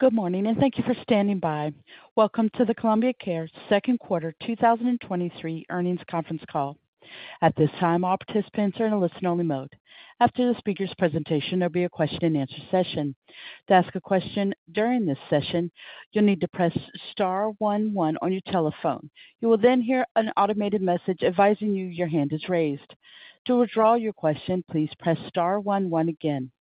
Good morning, and thank you for standing by. Welcome to The Columbia Care second quarter 2023 earnings conference call. At this time, all participants are in a listen-only mode. After the speaker's presentation, there'll be a Q&A. To ask a question during this session, you'll need to press star one one on your telephone. You will then hear an automated message advising you your hand is raised. To withdraw your question, please press star one one again.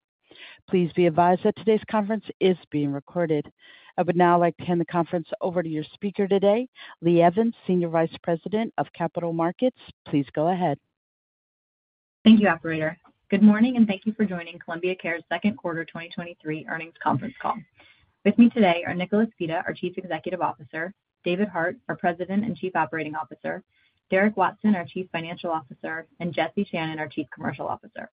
Please be advised that today's conference is being recorded. I would now like to hand the conference over to your speaker today, Lee Evans, Senior Vice President of Capital Markets. Please go ahead. Thank you, operator. Good morning, and thank you for joining Columbia Care's second quarter 2023 earnings conference call. With me today are Nicholas Vita, our Chief Executive Officer, David Hart, our President and Chief Operating Officer, Derek Watson, our Chief Financial Officer, and Jesse Channon, our Chief Commercial Officer.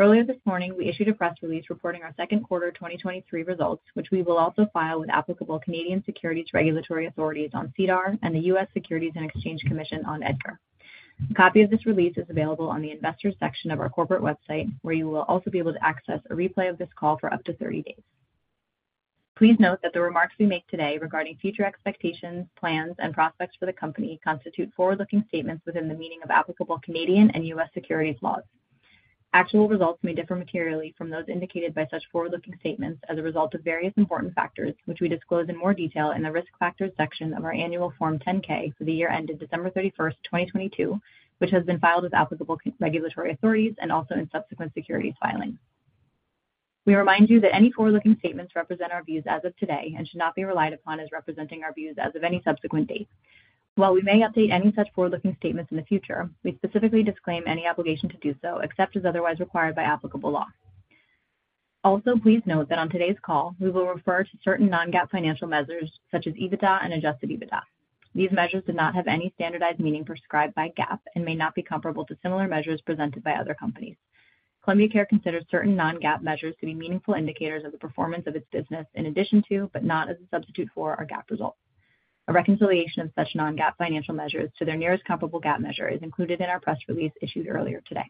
Earlier this morning, we issued a press release reporting our second quarter 2023 results, which we will also file with applicable Canadian Securities Regulatory Authorities on SEDAR and the U.S. Securities and Exchange Commission on EDGAR. A copy of this release is available on the investors section of our corporate website, where you will also be able to access a replay of this call for up to 30 days. Please note that the remarks we make today regarding future expectations, plans, and prospects for the company constitute forward-looking statements within the meaning of applicable Canadian and U.S. securities laws. Actual results may differ materially from those indicated by such forward-looking statements as a result of various important factors, which we disclose in more detail in the Risk Factors section of our annual Form 10-K for the year ended December 31st, 2022, which has been filed with applicable regulatory authorities and also in subsequent securities filings. We remind you that any forward-looking statements represent our views as of today and should not be relied upon as representing our views as of any subsequent date. While we may update any such forward-looking statements in the future, we specifically disclaim any obligation to do so, except as otherwise required by applicable law. Also, please note that on today's call, we will refer to certain non-GAAP financial measures such as EBITDA and Adjusted EBITDA. These measures do not have any standardized meaning prescribed by GAAP and may not be comparable to similar measures presented by other companies. The Columbia Care considers certain non-GAAP measures to be meaningful indicators of the performance of its business in addition to, but not as a substitute for, our GAAP results. A reconciliation of such non-GAAP financial measures to their nearest comparable GAAP measure is included in our press release issued earlier today.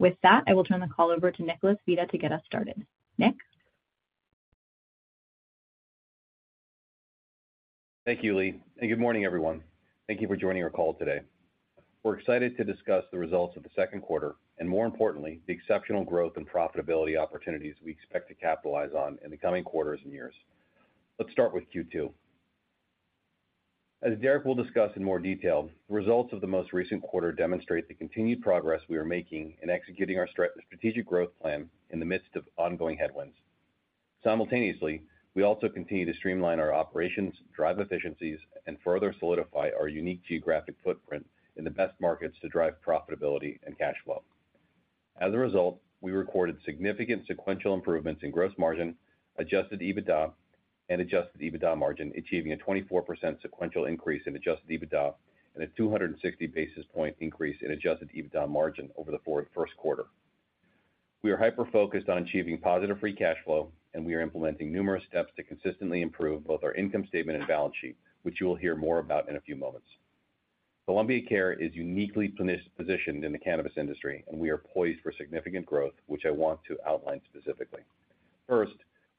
With that, I will turn the call over to Nicholas Vita to get us started. Nick? Thank you, Lee. Good morning, everyone. Thank you for joining our call today. We're excited to discuss the results of the second quarter and, more importantly, the exceptional growth and profitability opportunities we expect to capitalize on in the coming quarters and years. Let's start with Q2. As Derek will discuss in more detail, the results of the most recent quarter demonstrate the continued progress we are making in executing our strategic growth plan in the midst of ongoing headwinds. Simultaneously, we also continue to streamline our operations, drive efficiencies, and further solidify our unique geographic footprint in the best markets to drive profitability and cash flow. As a result, we recorded significant sequential improvements in gross margin, Adjusted EBITDA, and Adjusted EBITDA margin, achieving a 24% sequential increase in Adjusted EBITDA and a 260 basis point increase in Adjusted EBITDA margin over the first quarter. We are hyper-focused on achieving positive free cash flow, we are implementing numerous steps to consistently improve both our income statement and balance sheet, which you will hear more about in a few moments. Columbia Care is uniquely positioned in the cannabis industry, we are poised for significant growth, which I want to outline specifically. First,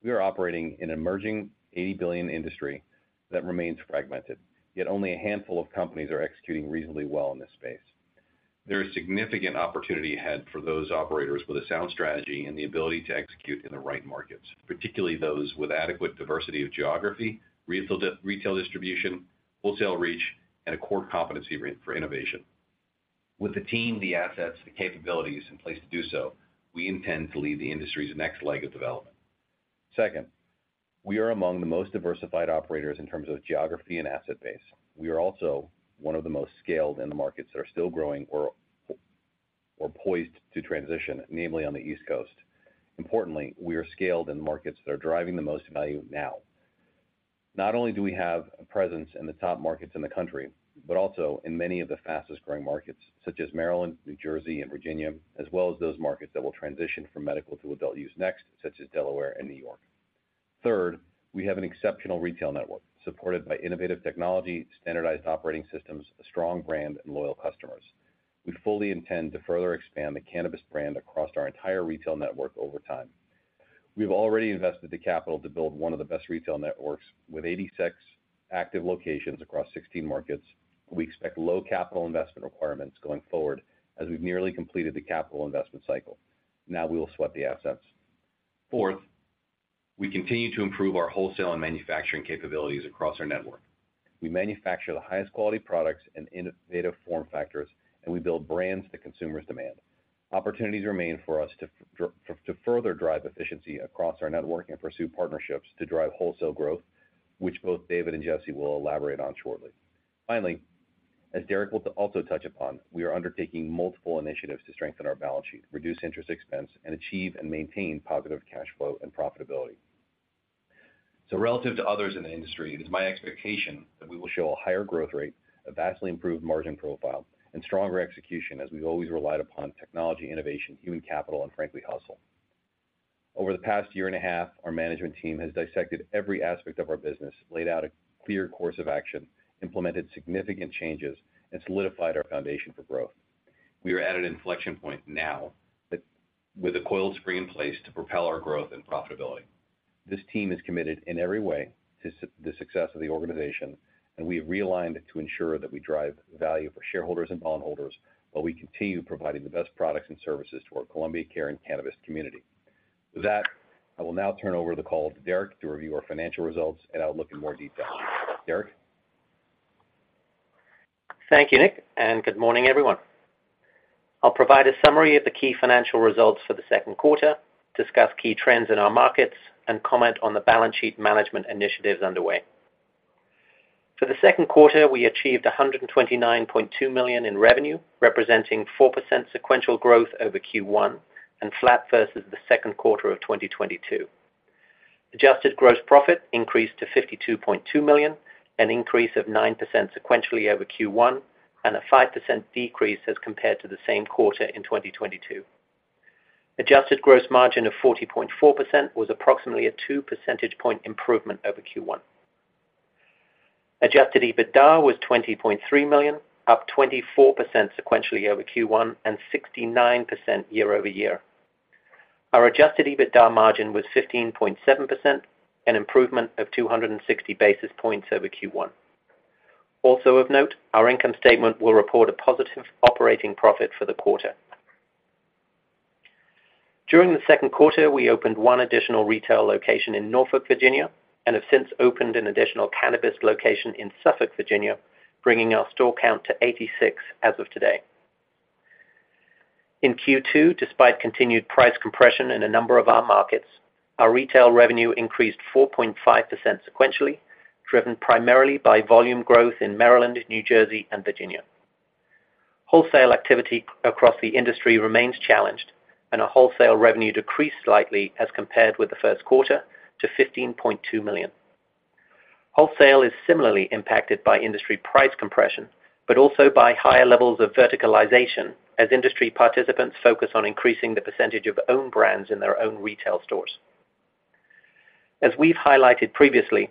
we are operating in an emerging $80 billion industry that remains fragmented, yet only a handful of companies are executing reasonably well in this space. There is significant opportunity ahead for those operators with a sound strategy and the ability to execute in the right markets, particularly those with adequate diversity of geography, retail, retail distribution, wholesale reach, and a core competency for innovation. With the team, the assets, the capabilities in place to do so, we intend to lead the industry's next leg of development. Second, we are among the most diversified operators in terms of geography and asset base. We are also one of the most scaled in the markets that are still growing or poised to transition, namely on the East Coast. Importantly, we are scaled in markets that are driving the most value now. Not only do we have a presence in the top markets in the country, but also in many of the fastest-growing markets, such as Maryland, New Jersey, and Virginia, as well as those markets that will transition from medical to adult use next, such as Delaware and New York. Third, we have an exceptional retail network supported by innovative technology, standardized operating systems, a strong brand, and loyal customers. We fully intend to further expand the cannabis brand across our entire retail network over time. We've already invested the capital to build one of the best retail networks with 86 active locations across 16 markets. We expect low capital investment requirements going forward as we've nearly completed the capital investment cycle. Now we will sweat the assets. Fourth, we continue to improve our wholesale and manufacturing capabilities across our network. We manufacture the highest quality products and innovative form factors, and we build brands that consumers demand. Opportunities remain for us to further drive efficiency across our network and pursue partnerships to drive wholesale growth, which both David and Jesse will elaborate on shortly. Finally, as Derek will also touch upon, we are undertaking multiple initiatives to strengthen our balance sheet, reduce interest expense, and achieve and maintain positive cash flow and profitability. Relative to others in the industry, it is my expectation that we will show a higher growth rate, a vastly improved margin profile, and stronger execution, as we've always relied upon technology, innovation, human capital, and frankly, hustle. Over the past 1.5 years, our management team has dissected every aspect of our business, laid out a clear course of action, implemented significant changes, and solidified our foundation for growth. We are at an inflection point now, that with a coiled spring in place to propel our growth and profitability. This team is committed in every way to the success of the organization, and we have realigned it to ensure that we drive value for shareholders and bondholders, while we continue providing the best products and services to our Columbia Care and cannabis community. With that, I will now turn over the call to Derek to review our financial results and outlook in more detail. Derek? Thank you, Nick, and good morning, everyone. I'll provide a summary of the key financial results for the second quarter, discuss key trends in our markets, and comment on the balance sheet management initiatives underway. For the second quarter, we achieved $129.2 million in revenue, representing 4% sequential growth over Q1 and flat versus the second quarter of 2022. Adjusted gross profit increased to $52.2 million, an increase of 9% sequentially over Q1, and a 5% decrease as compared to the same quarter in 2022. Adjusted gross margin of 40.4% was approximately a 2 percentage point improvement over Q1. Adjusted EBITDA was $20.3 million, up 24% sequentially over Q1 and 69% year-over-year. Our Adjusted EBITDA margin was 15.7%, an improvement of 260 basis points over Q1. Of note, our income statement will report a positive operating profit for the quarter. During the second quarter, we opened one additional retail location in Norfolk, Virginia, and have since opened an additional cannabis location in Suffolk, Virginia, bringing our store count to 86 as of today. In Q2, despite continued price compression in a number of our markets, our retail revenue increased 4.5% sequentially, driven primarily by volume growth in Maryland, New Jersey, and Virginia. Wholesale activity across the industry remains challenged. Our wholesale revenue decreased slightly as compared with the first quarter to $15.2 million. Wholesale is similarly impacted by industry price compression, but also by higher levels of verticalization as industry participants focus on increasing the percentage of own brands in their own retail stores. As we've highlighted previously,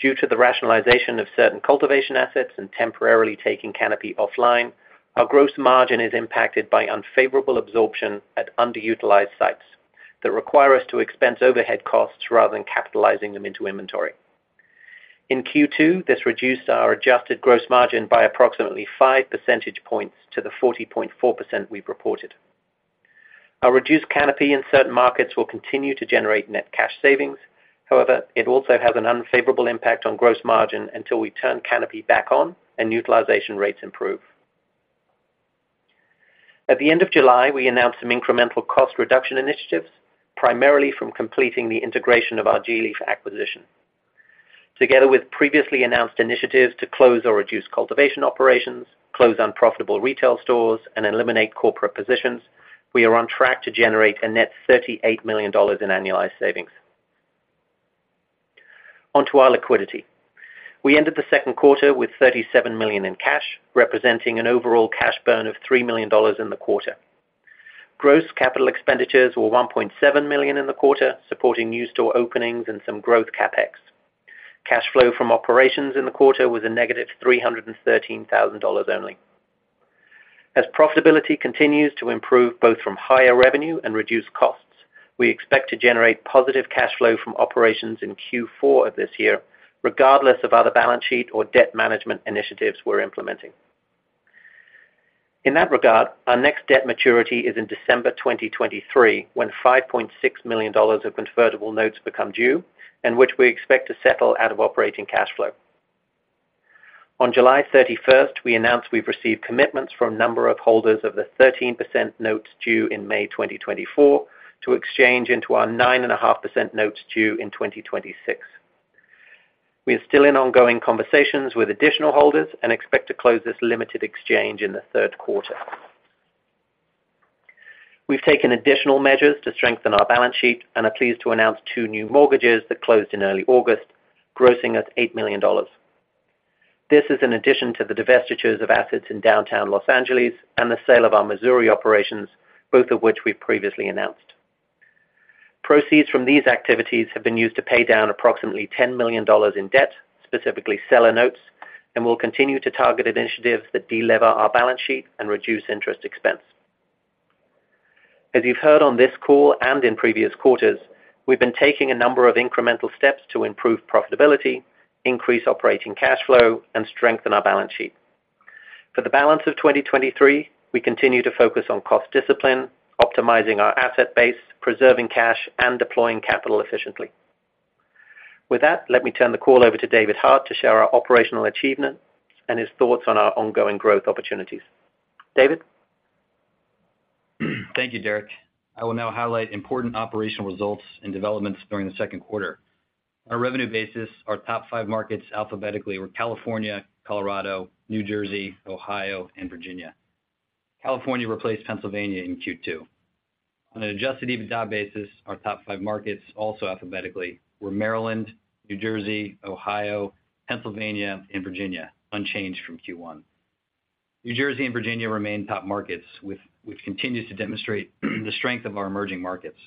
due to the rationalization of certain cultivation assets and temporarily taking canopy offline, our gross margin is impacted by unfavorable absorption at underutilized sites that require us to expense overhead costs rather than capitalizing them into inventory. In Q2, this reduced our adjusted gross margin by approximately 5 percentage points to the 40.4% we've reported. Our reduced canopy in certain markets will continue to generate net cash savings. However, it also has an unfavorable impact on gross margin until we turn canopy back on and utilization rates improve. At the end of July, we announced some incremental cost reduction initiatives, primarily from completing the integration of our gLeaf acquisition. Together with previously announced initiatives to close or reduce cultivation operations, close unprofitable retail stores, and eliminate corporate positions, we are on track to generate a net $38 million in annualized savings. On to our liquidity. We ended the second quarter with $37 million in cash, representing an overall cash burn of $3 million in the quarter. Gross capital expenditures were $1.7 million in the quarter, supporting new store openings and some growth CapEx. Cash flow from operations in the quarter was a -$313,000 only. As profitability continues to improve, both from higher revenue and reduced costs, we expect to generate positive cash flow from operations in Q4 of this year, regardless of other balance sheet or debt management initiatives we're implementing. In that regard, our next debt maturity is in December 2023, when $5.6 million of convertible notes become due, and which we expect to settle out of operating cash flow. On July 31st, we announced we've received commitments from a number of holders of the 13% notes due in May 2024 to exchange into our 9.5% notes due in 2026. We are still in ongoing conversations with additional holders and expect to close this limited exchange in the third quarter. We've taken additional measures to strengthen our balance sheet and are pleased to announce two new mortgages that closed in early August, grossing us $8 million. This is in addition to the divestitures of assets in downtown Los Angeles and the sale of our Missouri operations, both of which we previously announced. Proceeds from these activities have been used to pay down approximately $10 million in debt, specifically seller notes, and will continue to target initiatives that de-lever our balance sheet and reduce interest expense. As you've heard on this call and in previous quarters, we've been taking a number of incremental steps to improve profitability, increase operating cash flow, and strengthen our balance sheet. For the balance of 2023, we continue to focus on cost discipline, optimizing our asset base, preserving cash, and deploying capital efficiently. With that, let me turn the call over to David Hart to share our operational achievement and his thoughts on our ongoing growth opportunities. David? Thank you, Derek. I will now highlight important operational results and developments during the second quarter. Our revenue basis, our top five markets alphabetically, were California, Colorado, New Jersey, Ohio, and Virginia. California replaced Pennsylvania in Q2. On an Adjusted EBITDA basis, our top five markets, also alphabetically, were Maryland, New Jersey, Ohio, Pennsylvania, and Virginia, unchanged from Q1. New Jersey and Virginia remain top markets, which continues to demonstrate the strength of our emerging markets.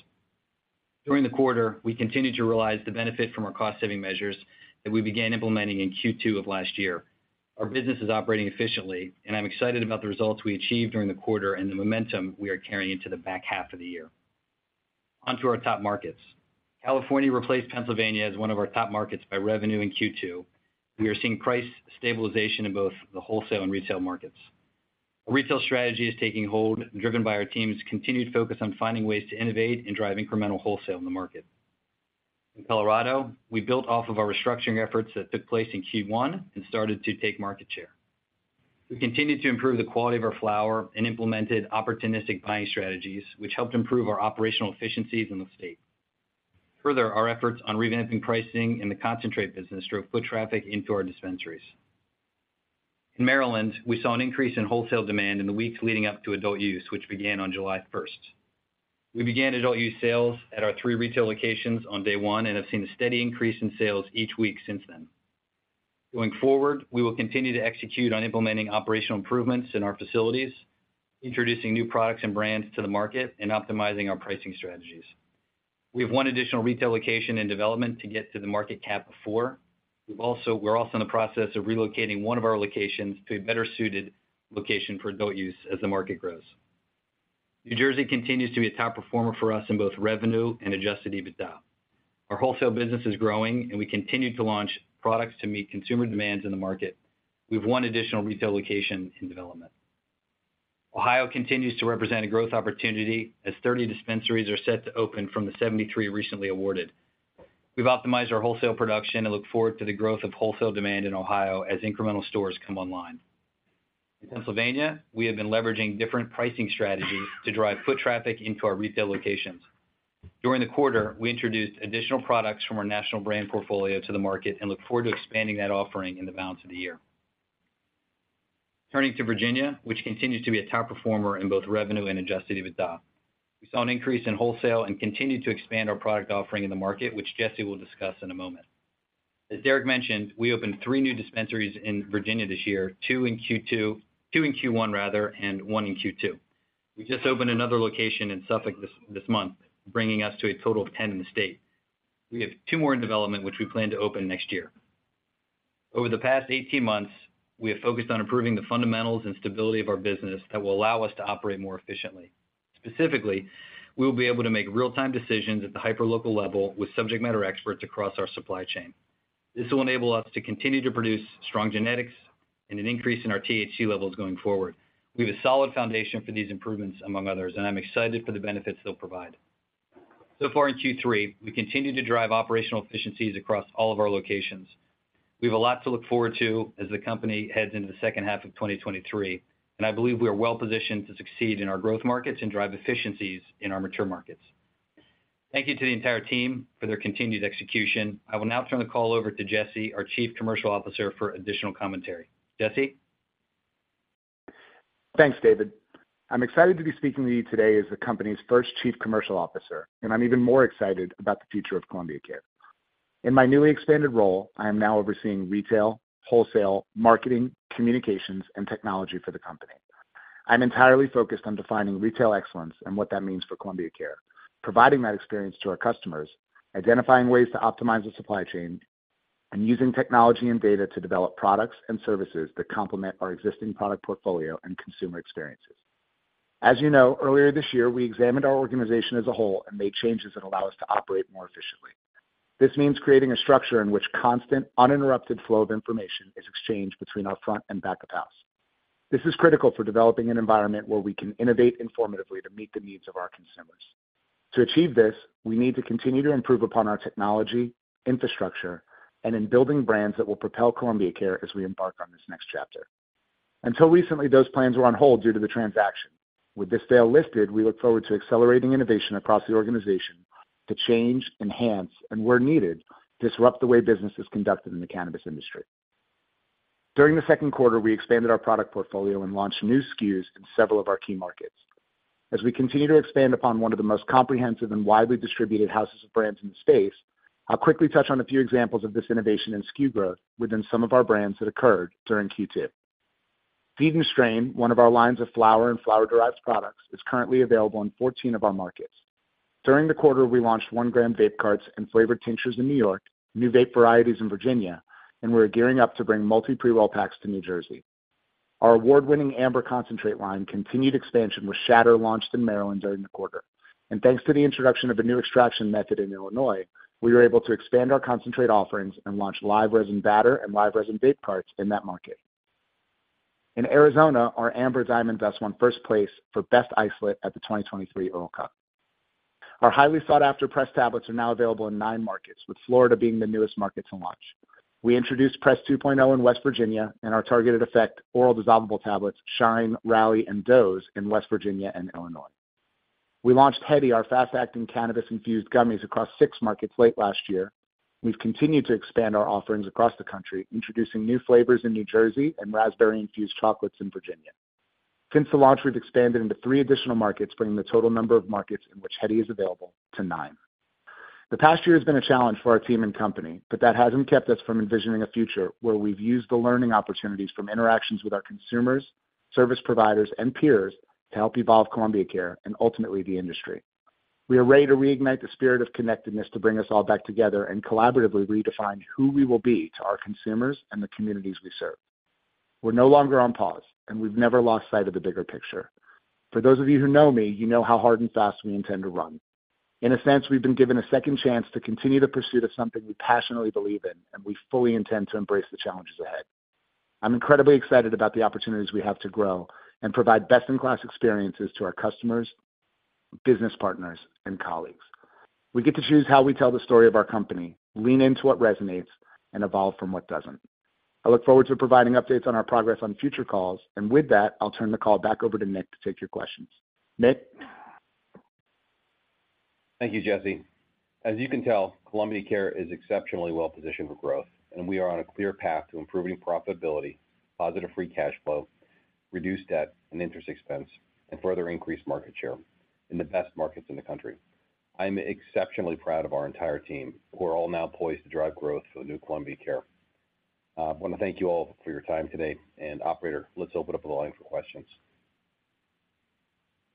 During the quarter, we continued to realize the benefit from our cost-saving measures that we began implementing in Q2 of last year. Our business is operating efficiently, and I'm excited about the results we achieved during the quarter and the momentum we are carrying into the back half of the year. Onto our top markets. California replaced Pennsylvania as one of our top markets by revenue in Q2. We are seeing price stabilization in both the wholesale and retail markets. Our retail strategy is taking hold, driven by our team's continued focus on finding ways to innovate and drive incremental wholesale in the market. In Colorado, we built off of our restructuring efforts that took place in Q1 and started to take market share. We continued to improve the quality of our flower and implemented opportunistic buying strategies, which helped improve our operational efficiencies in the state. Further, our efforts on revamping pricing in the concentrate business drove foot traffic into our dispensaries. In Maryland, we saw an increase in wholesale demand in the weeks leading up to adult use, which began on July 1st. We began adult use sales at our three retail locations on day one and have seen a steady increase in sales each week since then. Going forward, we will continue to execute on implementing operational improvements in our facilities, introducing new products and brands to the market, and optimizing our pricing strategies. We have one additional retail location in development to get to the market cap of four. We're also in the process of relocating one of our locations to a better-suited location for adult use as the market grows. New Jersey continues to be a top performer for us in both revenue and Adjusted EBITDA. Our wholesale business is growing, and we continue to launch products to meet consumer demands in the market. We have one additional retail location in development. Ohio continues to represent a growth opportunity, as 30 dispensaries are set to open from the 73 recently awarded. We've optimized our wholesale production and look forward to the growth of wholesale demand in Ohio as incremental stores come online. In Pennsylvania, we have been leveraging different pricing strategies to drive foot traffic into our retail locations. During the quarter, we introduced additional products from our national brand portfolio to the market and look forward to expanding that offering in the balance of the year. Turning to Virginia, which continues to be a top performer in both revenue and Adjusted EBITDA. We saw an increase in wholesale and continued to expand our product offering in the market, which Jesse will discuss in a moment. As Derek mentioned, we opened three new dispensaries in Virginia this year, two in Q2, two in Q1 rather, and one in Q2. We just opened another location in Suffolk this, this month, bringing us to a total of 10 in the state. We have two more in development, which we plan to open next year. Over the past 18 months, we have focused on improving the fundamentals and stability of our business that will allow us to operate more efficiently. Specifically, we will be able to make real-time decisions at the hyper-local level with subject matter experts across our supply chain. This will enable us to continue to produce strong genetics and an increase in our THC levels going forward. We have a solid foundation for these improvements, among others, and I'm excited for the benefits they'll provide. So far in Q3, we continue to drive operational efficiencies across all of our locations. We have a lot to look forward to as the company heads into the second half of 2023, and I believe we are well-positioned to succeed in our growth markets and drive efficiencies in our mature markets. Thank you to the entire team for their continued execution. I will now turn the call over to Jesse, our Chief Commercial Officer, for additional commentary. Jesse? Thanks, David. I'm excited to be speaking with you today as the company's first Chief Commercial Officer, and I'm even more excited about the future of Columbia Care. In my newly expanded role, I am now overseeing retail, wholesale, marketing, communications, and technology for the company. I'm entirely focused on defining retail excellence and what that means for Columbia Care, providing that experience to our customers, identifying ways to optimize the supply chain, and using technology and data to develop products and services that complement our existing product portfolio and consumer experiences. As you know, earlier this year, we examined our organization as a whole and made changes that allow us to operate more efficiently. This means creating a structure in which constant, uninterrupted flow of information is exchanged between our front and back of house. This is critical for developing an environment where we can innovate informatively to meet the needs of our consumers. To achieve this, we need to continue to improve upon our technology, infrastructure, and in building brands that will propel Columbia Care as we embark on this next chapter. Until recently, those plans were on hold due to the transaction. With this veil lifted, we look forward to accelerating innovation across the organization to change, enhance, and where needed, disrupt the way business is conducted in the cannabis industry. During the second quarter, we expanded our product portfolio and launched new SKUs in several of our key markets. As we continue to expand upon one of the most comprehensive and widely distributed houses of brands in the space, I'll quickly touch on a few examples of this innovation and SKU growth within some of our brands that occurred during Q2. Seed & Strain, one of our lines of flower and flower-derived products, is currently available in 14 of our markets. During the quarter, we launched 1 g vape carts and flavored tinctures in New York, new vape varieties in Virginia, and we're gearing up to bring multi pre-roll packs to New Jersey. Our award-winning Amber concentrate line continued expansion with shatter, launched in Maryland during the quarter. Thanks to the introduction of a new extraction method in Illinois, we were able to expand our concentrate offerings and launch live resin batter and live resin vape carts in that market. In Arizona, our Amber Diamond Dust won first place for Best Isolate at the 2023 Errl Cup. Our highly sought-after pressed tablets are now available in nine markets, with Florida being the newest market to launch. We introduced PRESS 2.0 in West Virginia, and our targeted effect oral dissolvable tablets, Shine, Rally, and Doze in West Virginia and Illinois. We launched Hedy, our fast-acting cannabis-infused gummies, across six markets late last year. We've continued to expand our offerings across the country, introducing new flavors in New Jersey and raspberry-infused chocolates in Virginia. Since the launch, we've expanded into three additional markets, bringing the total number of markets in which Hedy is available to nine. The past year has been a challenge for our team and company, but that hasn't kept us from envisioning a future where we've used the learning opportunities from interactions with our consumers, service providers, and peers to help evolve Columbia Care, and ultimately, the industry. We are ready to reignite the spirit of connectedness to bring us all back together and collaboratively redefine who we will be to our consumers and the communities we serve. We're no longer on pause, and we've never lost sight of the bigger picture. For those of you who know me, you know how hard and fast we intend to run. In a sense, we've been given a second chance to continue the pursuit of something we passionately believe in, and we fully intend to embrace the challenges ahead. I'm incredibly excited about the opportunities we have to grow and provide best-in-class experiences to our customers, business partners, and colleagues. We get to choose how we tell the story of our company, lean into what resonates, and evolve from what doesn't. I look forward to providing updates on our progress on future calls. With that, I'll turn the call back over to Nick to take your questions. Nick? Thank you, Jesse. As you can tell, Columbia Care is exceptionally well positioned for growth, and we are on a clear path to improving profitability, positive free cash flow, reduced debt and interest expense, and further increased market share in the best markets in the country. I'm exceptionally proud of our entire team, who are all now poised to drive growth for the new Columbia Care. I want to thank you all for your time today. Operator, let's open up the line for questions.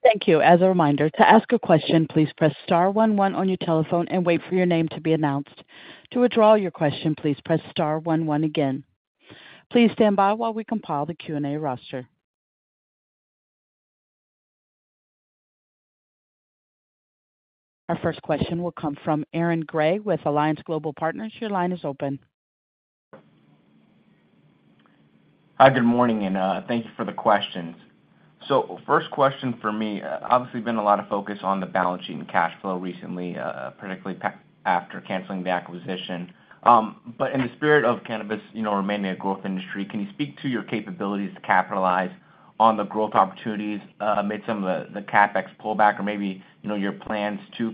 Thank you. As a reminder, to ask a question, please press star one one on your telephone and wait for your name to be announced. To withdraw your question, please press star one one again. Please stand by while we compile the Q&A roster. Our first question will come from Aaron Grey with Alliance Global Partners. Your line is open. Hi, good morning, and thank you for the questions. First question for me, obviously, been a lot of focus on the balance sheet and cash flow recently, particularly after canceling the acquisition. In the spirit of cannabis, you know, remaining a growth industry, can you speak to your capabilities to capitalize on the growth opportunities, amid some of the, the CapEx pullback, or maybe, you know, your plans to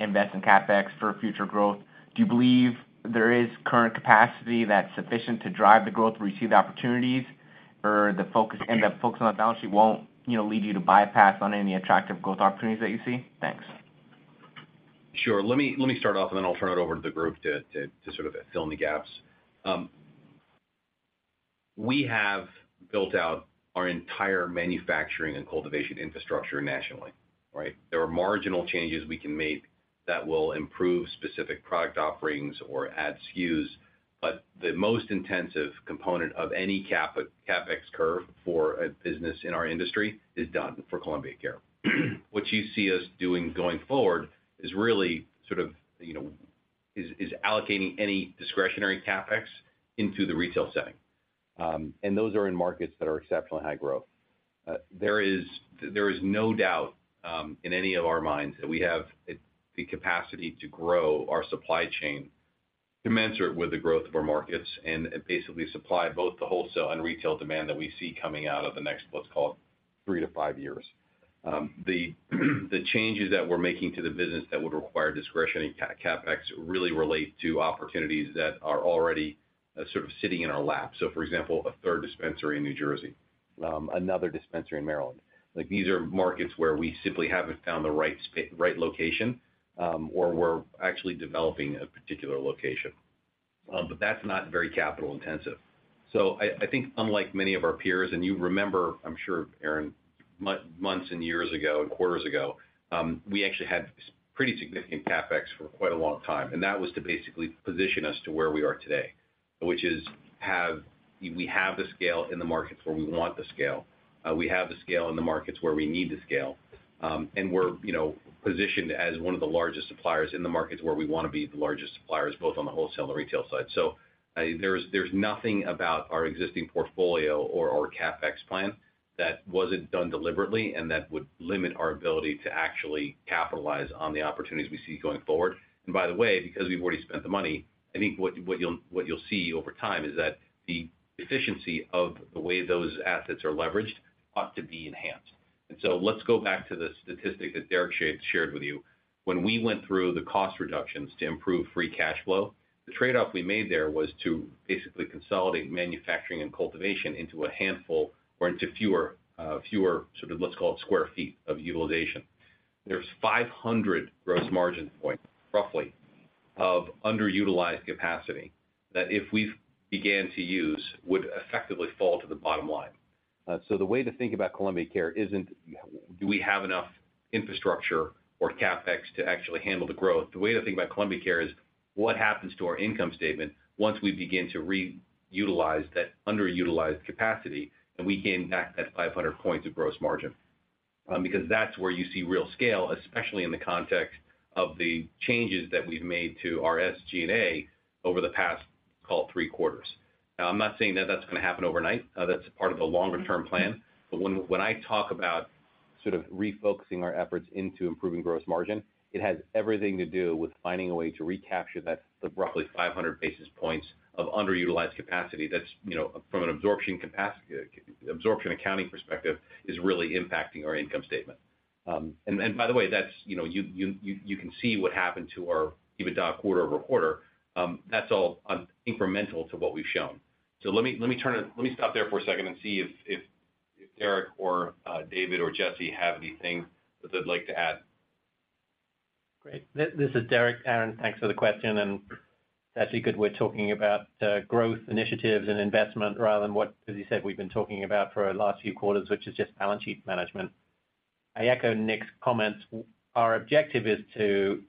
invest in CapEx for future growth? Do you believe there is current capacity that's sufficient to drive the growth to receive the opportunities, or the focus and the focus on the balance sheet won't, you know, lead you to bypass on any attractive growth opportunities that you see? Thanks. Sure. Let me, let me start off, and then I'll turn it over to the group to, to, to sort of fill in the gaps. We have built out our entire manufacturing and cultivation infrastructure nationally, right? There are marginal changes we can make that will improve specific product offerings or add SKUs, but the most intensive component of any CapEx curve for a business in our industry is done for Columbia Care. What you see us doing going forward is really sort of, you know, is, is allocating any discretionary CapEx into the retail setting. Those are in markets that are exceptionally high growth. There is, there is no doubt in any of our minds that we have the capacity to grow our supply chain commensurate with the growth of our markets and basically supply both the wholesale and retail demand that we see coming out of the next, let's call it, three to five years. The changes that we're making to the business that would require discretionary CapEx really relate to opportunities that are already sort of sitting in our lap. For example, a third dispensary in New Jersey, another dispensary in Maryland. Like, these are markets where we simply haven't found the right location, or we're actually developing a particular location. That's not very capital intensive. I, I think unlike many of our peers, and you remember, I'm sure, Aaron, months and years ago and quarters ago, we actually had pretty significant CapEx for quite a long time, and that was to basically position us to where we are today, which is we have the scale in the markets where we want the scale. We have the scale in the markets where we need the scale. We're, you know, positioned as one of the largest suppliers in the markets where we want to be the largest suppliers, both on the wholesale and retail side. There's, there's nothing about our existing portfolio or our CapEx plan that wasn't done deliberately and that would limit our ability to actually capitalize on the opportunities we see going forward. By the way, because we've already spent the money, I think what you'll see over time is that the efficiency of the way those assets are leveraged ought to be enhanced. Let's go back to the statistic that Derek shared with you. When we went through the cost reductions to improve free cash flow, the trade-off we made there was to basically consolidate manufacturing and cultivation into a handful or into fewer, sort of, let's call it square feet of utilization. There's 500 gross margin points, roughly, of underutilized capacity that if we've began to use, would effectively fall to the bottom line. The way to think about Columbia Care isn't, do we have enough infrastructure or CapEx to actually handle the growth? The way to think about Columbia Care is, what happens to our income statement once we begin to re-utilize that underutilized capacity, and we gain back that 500 points of gross margin? Because that's where you see real scale, especially in the context of the changes that we've made to our SG&A over the past, call it three quarters. I'm not saying that that's going to happen overnight. That's part of a longer-term plan. When, when I talk about sort of refocusing our efforts into improving gross margin, it has everything to do with finding a way to recapture that, the roughly 500 basis points of underutilized capacity. That's, you know, from an absorption accounting perspective, is really impacting our income statement. By the way, that's, you know, you, you, you, you can see what happened to our EBITDA quarter-over-quarter. That's all incremental to what we've shown. Let me, let me stop there for a second and see if Derek or David or Jesse have anything that they'd like to add? Great. This is Derek, Aaron, thanks for the question, and it's actually good we're talking about growth initiatives and investment rather than what, as you said, we've been talking about for the last few quarters, which is just balance sheet management. I echo Nick's comments. Our objective is to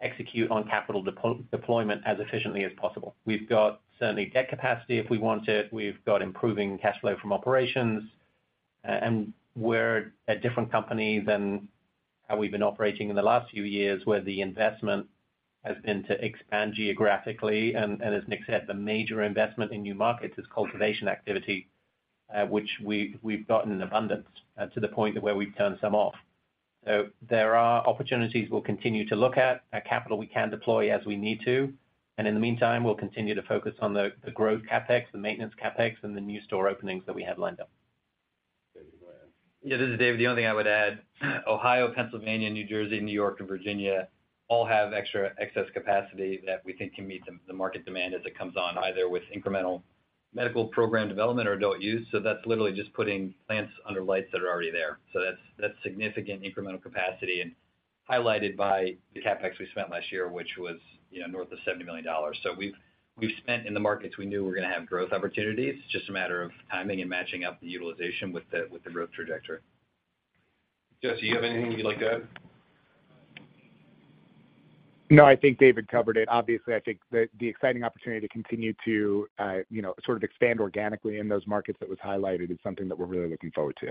execute on capital deployment as efficiently as possible. We've got certainly debt capacity if we want it. We've got improving cash flow from operations. We're a different company than how we've been operating in the last few years, where the investment has been to expand geographically. And as Nick said, the major investment in new markets is cultivation activity, which we've, we've got in abundance to the point where we've turned some off. There are opportunities we'll continue to look at, and capital we can deploy as we need to. In the meantime, we'll continue to focus on the, the growth CapEx, the maintenance CapEx, and the new store openings that we have lined up. David, go ahead. Yeah, this is David. The only thing I would add, Ohio, Pennsylvania, New Jersey, New York and Virginia all have extra excess capacity that we think can meet the, the market demand as it comes on, either with incremental medical program development or adult use. That's literally just putting plants under lights that are already there. That's, that's significant incremental capacity and highlighted by the CapEx we spent last year, which was, you know, north of $70 million. We've, we've spent in the markets we knew were going to have growth opportunities. It's just a matter of timing and matching up the utilization with the, with the growth trajectory. Jesse, you have anything you'd like to add? No, I think David covered it. Obviously, I think the, the exciting opportunity to continue to, you know, sort of expand organically in those markets that was highlighted is something that we're really looking forward to.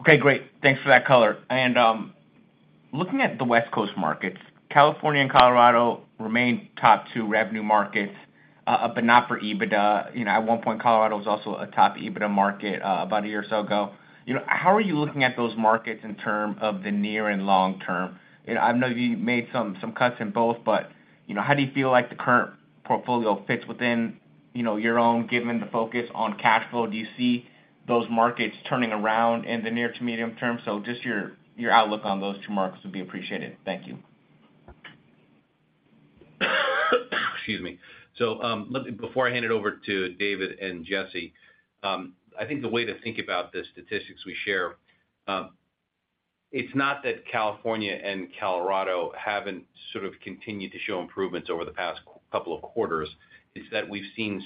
Okay, great. Thanks for that color. Looking at the West Coast markets, California and Colorado remain top two revenue markets, but not for EBITDA. You know, at one point, Colorado was also a top EBITDA market, about a year or so ago. You know, how are you looking at those markets in term of the near and long term? You know, I know you made some, some cuts in both, but, you know, how do you feel like the current portfolio fits within, you know, your own, given the focus on cash flow? Do you see those markets turning around in the near to medium term? Just your, your outlook on those two markets would be appreciated. Thank you. Excuse me. Let me, before I hand it over to David and Jesse, I think the way to think about the statistics we share, it's not that California and Colorado haven't sort of continued to show improvements over the past couple of quarters, it's that we've seen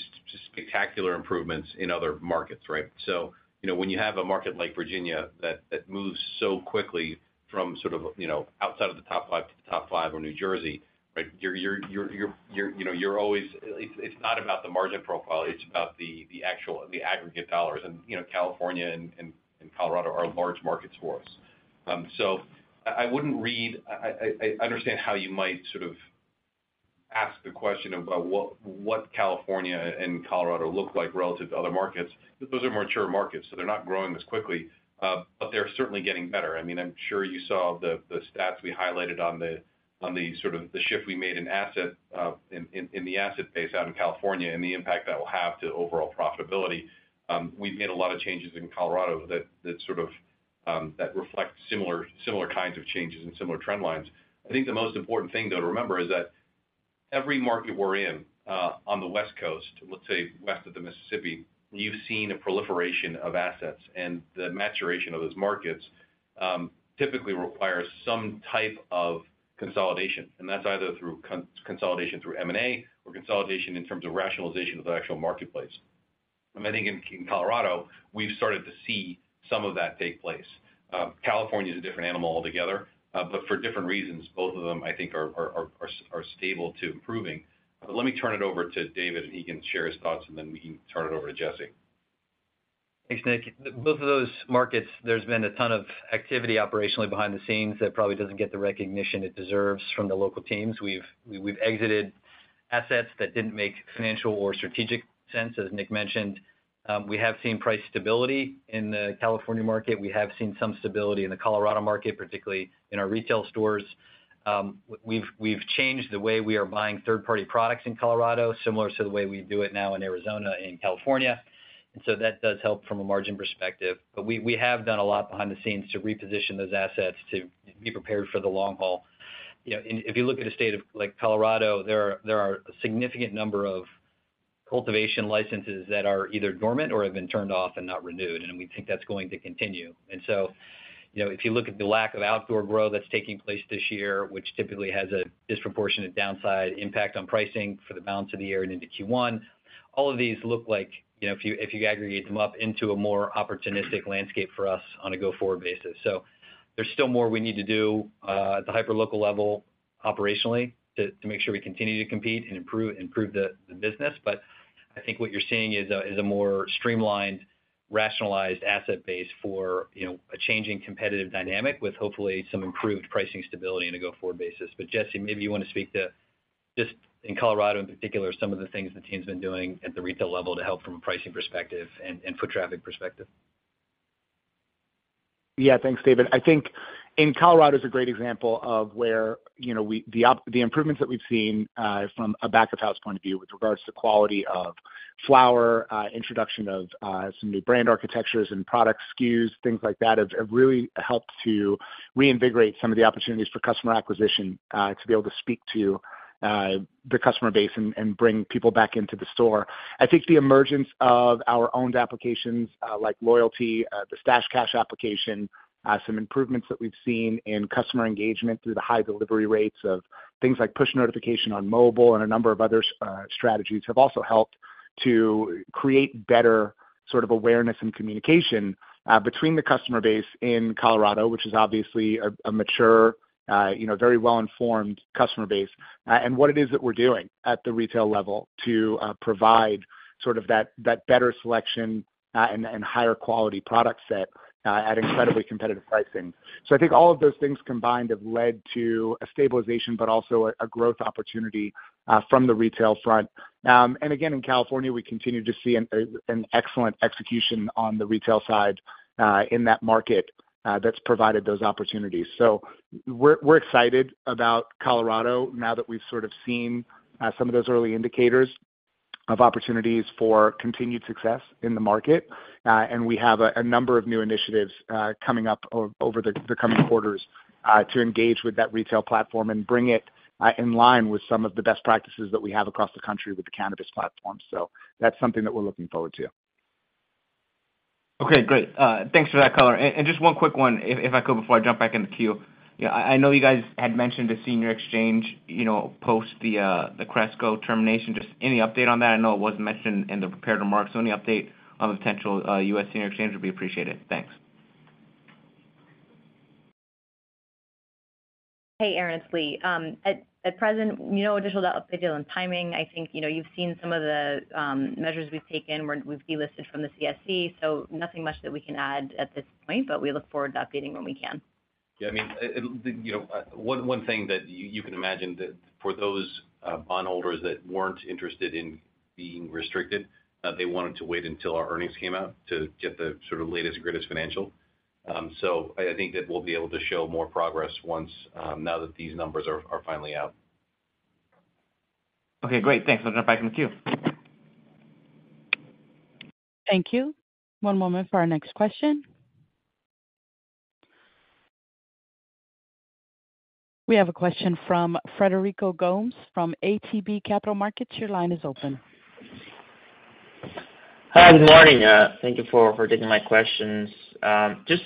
spectacular improvements in other markets, right? You know, when you have a market like Virginia, that, that moves so quickly from sort of, you know, outside of the top five to the top five, or New Jersey, right? You're, you know, you're always. It's, it's not about the margin profile, it's about the, the actual, the aggregate dollars. You know, California and, and, and Colorado are large markets for us. So I, I wouldn't read. I understand how you might sort of ask the question about what, what California and Colorado look like relative to other markets. Those are mature markets, so they're not growing as quickly, but they're certainly getting better. I mean, I'm sure you saw the stats we highlighted on the sort of, the shift we made in asset in the asset base out in California and the impact that will have to overall profitability. We've made a lot of changes in Colorado that sort of that reflect similar, similar kinds of changes and similar trend lines. I think the most important thing, though, to remember, is that every market we're in, on the West Coast, let's say west of the Mississippi, you've seen a proliferation of assets, and the maturation of those markets, typically requires some type of consolidation, and that's either through consolidation through M&A or consolidation in terms of rationalization of the actual marketplace. I think in, in Colorado, we've started to see some of that take place. California is a different animal altogether, but for different reasons, both of them, I think are stable to improving. Let me turn it over to David, and he can share his thoughts, and then we can turn it over to Jesse. Thanks, Nick. Both of those markets, there's been a ton of activity operationally behind the scenes that probably doesn't get the recognition it deserves from the local teams. We've exited assets that didn't make financial or strategic sense, as Nick mentioned. We have seen price stability in the California market. We have seen some stability in the Colorado market, particularly in our retail stores. We've changed the way we are buying third-party products in Colorado, similar to the way we do it now in Arizona and California, and so that does help from a margin perspective. We have done a lot behind the scenes to reposition those assets to be prepared for the long haul. You know, if you look at a state of like Colorado, there are, there are a significant number of cultivation licenses that are either dormant or have been turned off and not renewed, and we think that's going to continue. You know, if you look at the lack of outdoor growth that's taking place this year, which typically has a disproportionate downside impact on pricing for the balance of the year and into Q1, all of these look like, you know, if you, if you aggregate them up into a more opportunistic landscape for us on a go-forward basis. There's still more we need to do at the hyperlocal level operationally to, to make sure we continue to compete and improve, improve the, the business. I think what you're seeing is a, is a more streamlined, rationalized asset base for, you know, a changing competitive dynamic with, hopefully, some improved pricing stability on a go-forward basis. Jesse, maybe you want to speak to, just in Colorado in particular, some of the things the team's been doing at the retail level to help from a pricing perspective and, and foot traffic perspective. Yeah. Thanks, David. I think- ...in Colorado is a great example of where, you know, we, the improvements that we've seen, from a back-of-house point of view with regards to quality of flower, introduction of, some new brand architectures and product SKUs, things like that, have really helped to reinvigorate some of the opportunities for customer acquisition, to be able to speak to, the customer base and bring people back into the store. I think the emergence of our owned applications, like Loyalty, the Stash Cash application, some improvements that we've seen in customer engagement through the high delivery rates of things like push notification on mobile and a number of other strategies, have also helped to create better sort of awareness and communication between the customer base in Colorado, which is obviously a, a mature, you know, very well-informed customer base, and what it is that we're doing at the retail level to provide sort of that, that better selection, and, and higher quality product set, at incredibly competitive pricing. I think all of those things combined have led to a stabilization, but also a, a growth opportunity, from the retail front. Again, in California, we continue to see an excellent execution on the retail side, in that market, that's provided those opportunities. We're, we're excited about Colorado now that we've sort of seen some of those early indicators of opportunities for continued success in the market. We have a number of new initiatives, coming up over the coming quarters, to engage with that retail platform and bring it in line with some of the best practices that we have across the country with the cannabis platform. That's something that we're looking forward to. Okay, great. Thanks for that color. Just one quick one, if I could, before I jump back in the queue. I know you guys had mentioned the senior exchange, you know, post the Cresco termination, just any update on that? I know it wasn't mentioned in the prepared remarks, any update on the potential U.S. senior exchange would be appreciated. Thanks. Hey, Aaron, it's Lee. At, at present, we know additional update on timing. I think, you know, you've seen some of the measures we've taken, where we've delisted from the CSE, nothing much that we can add at this point, but we look forward to updating when we can. Yeah, I mean, it, you know, one, one thing that you can imagine that for those, bondholders that weren't interested in being restricted, they wanted to wait until our earnings came out to get the sort of latest and greatest financial. I, I think that we'll be able to show more progress once, now that these numbers are finally out. Okay, great. Thanks. I'll jump back in the queue. Thank you. One moment for our next question. We have a question from Frederico Gomes from ATB Capital Markets. Your line is open. Hi, good morning. Thank you for, for taking my questions. Just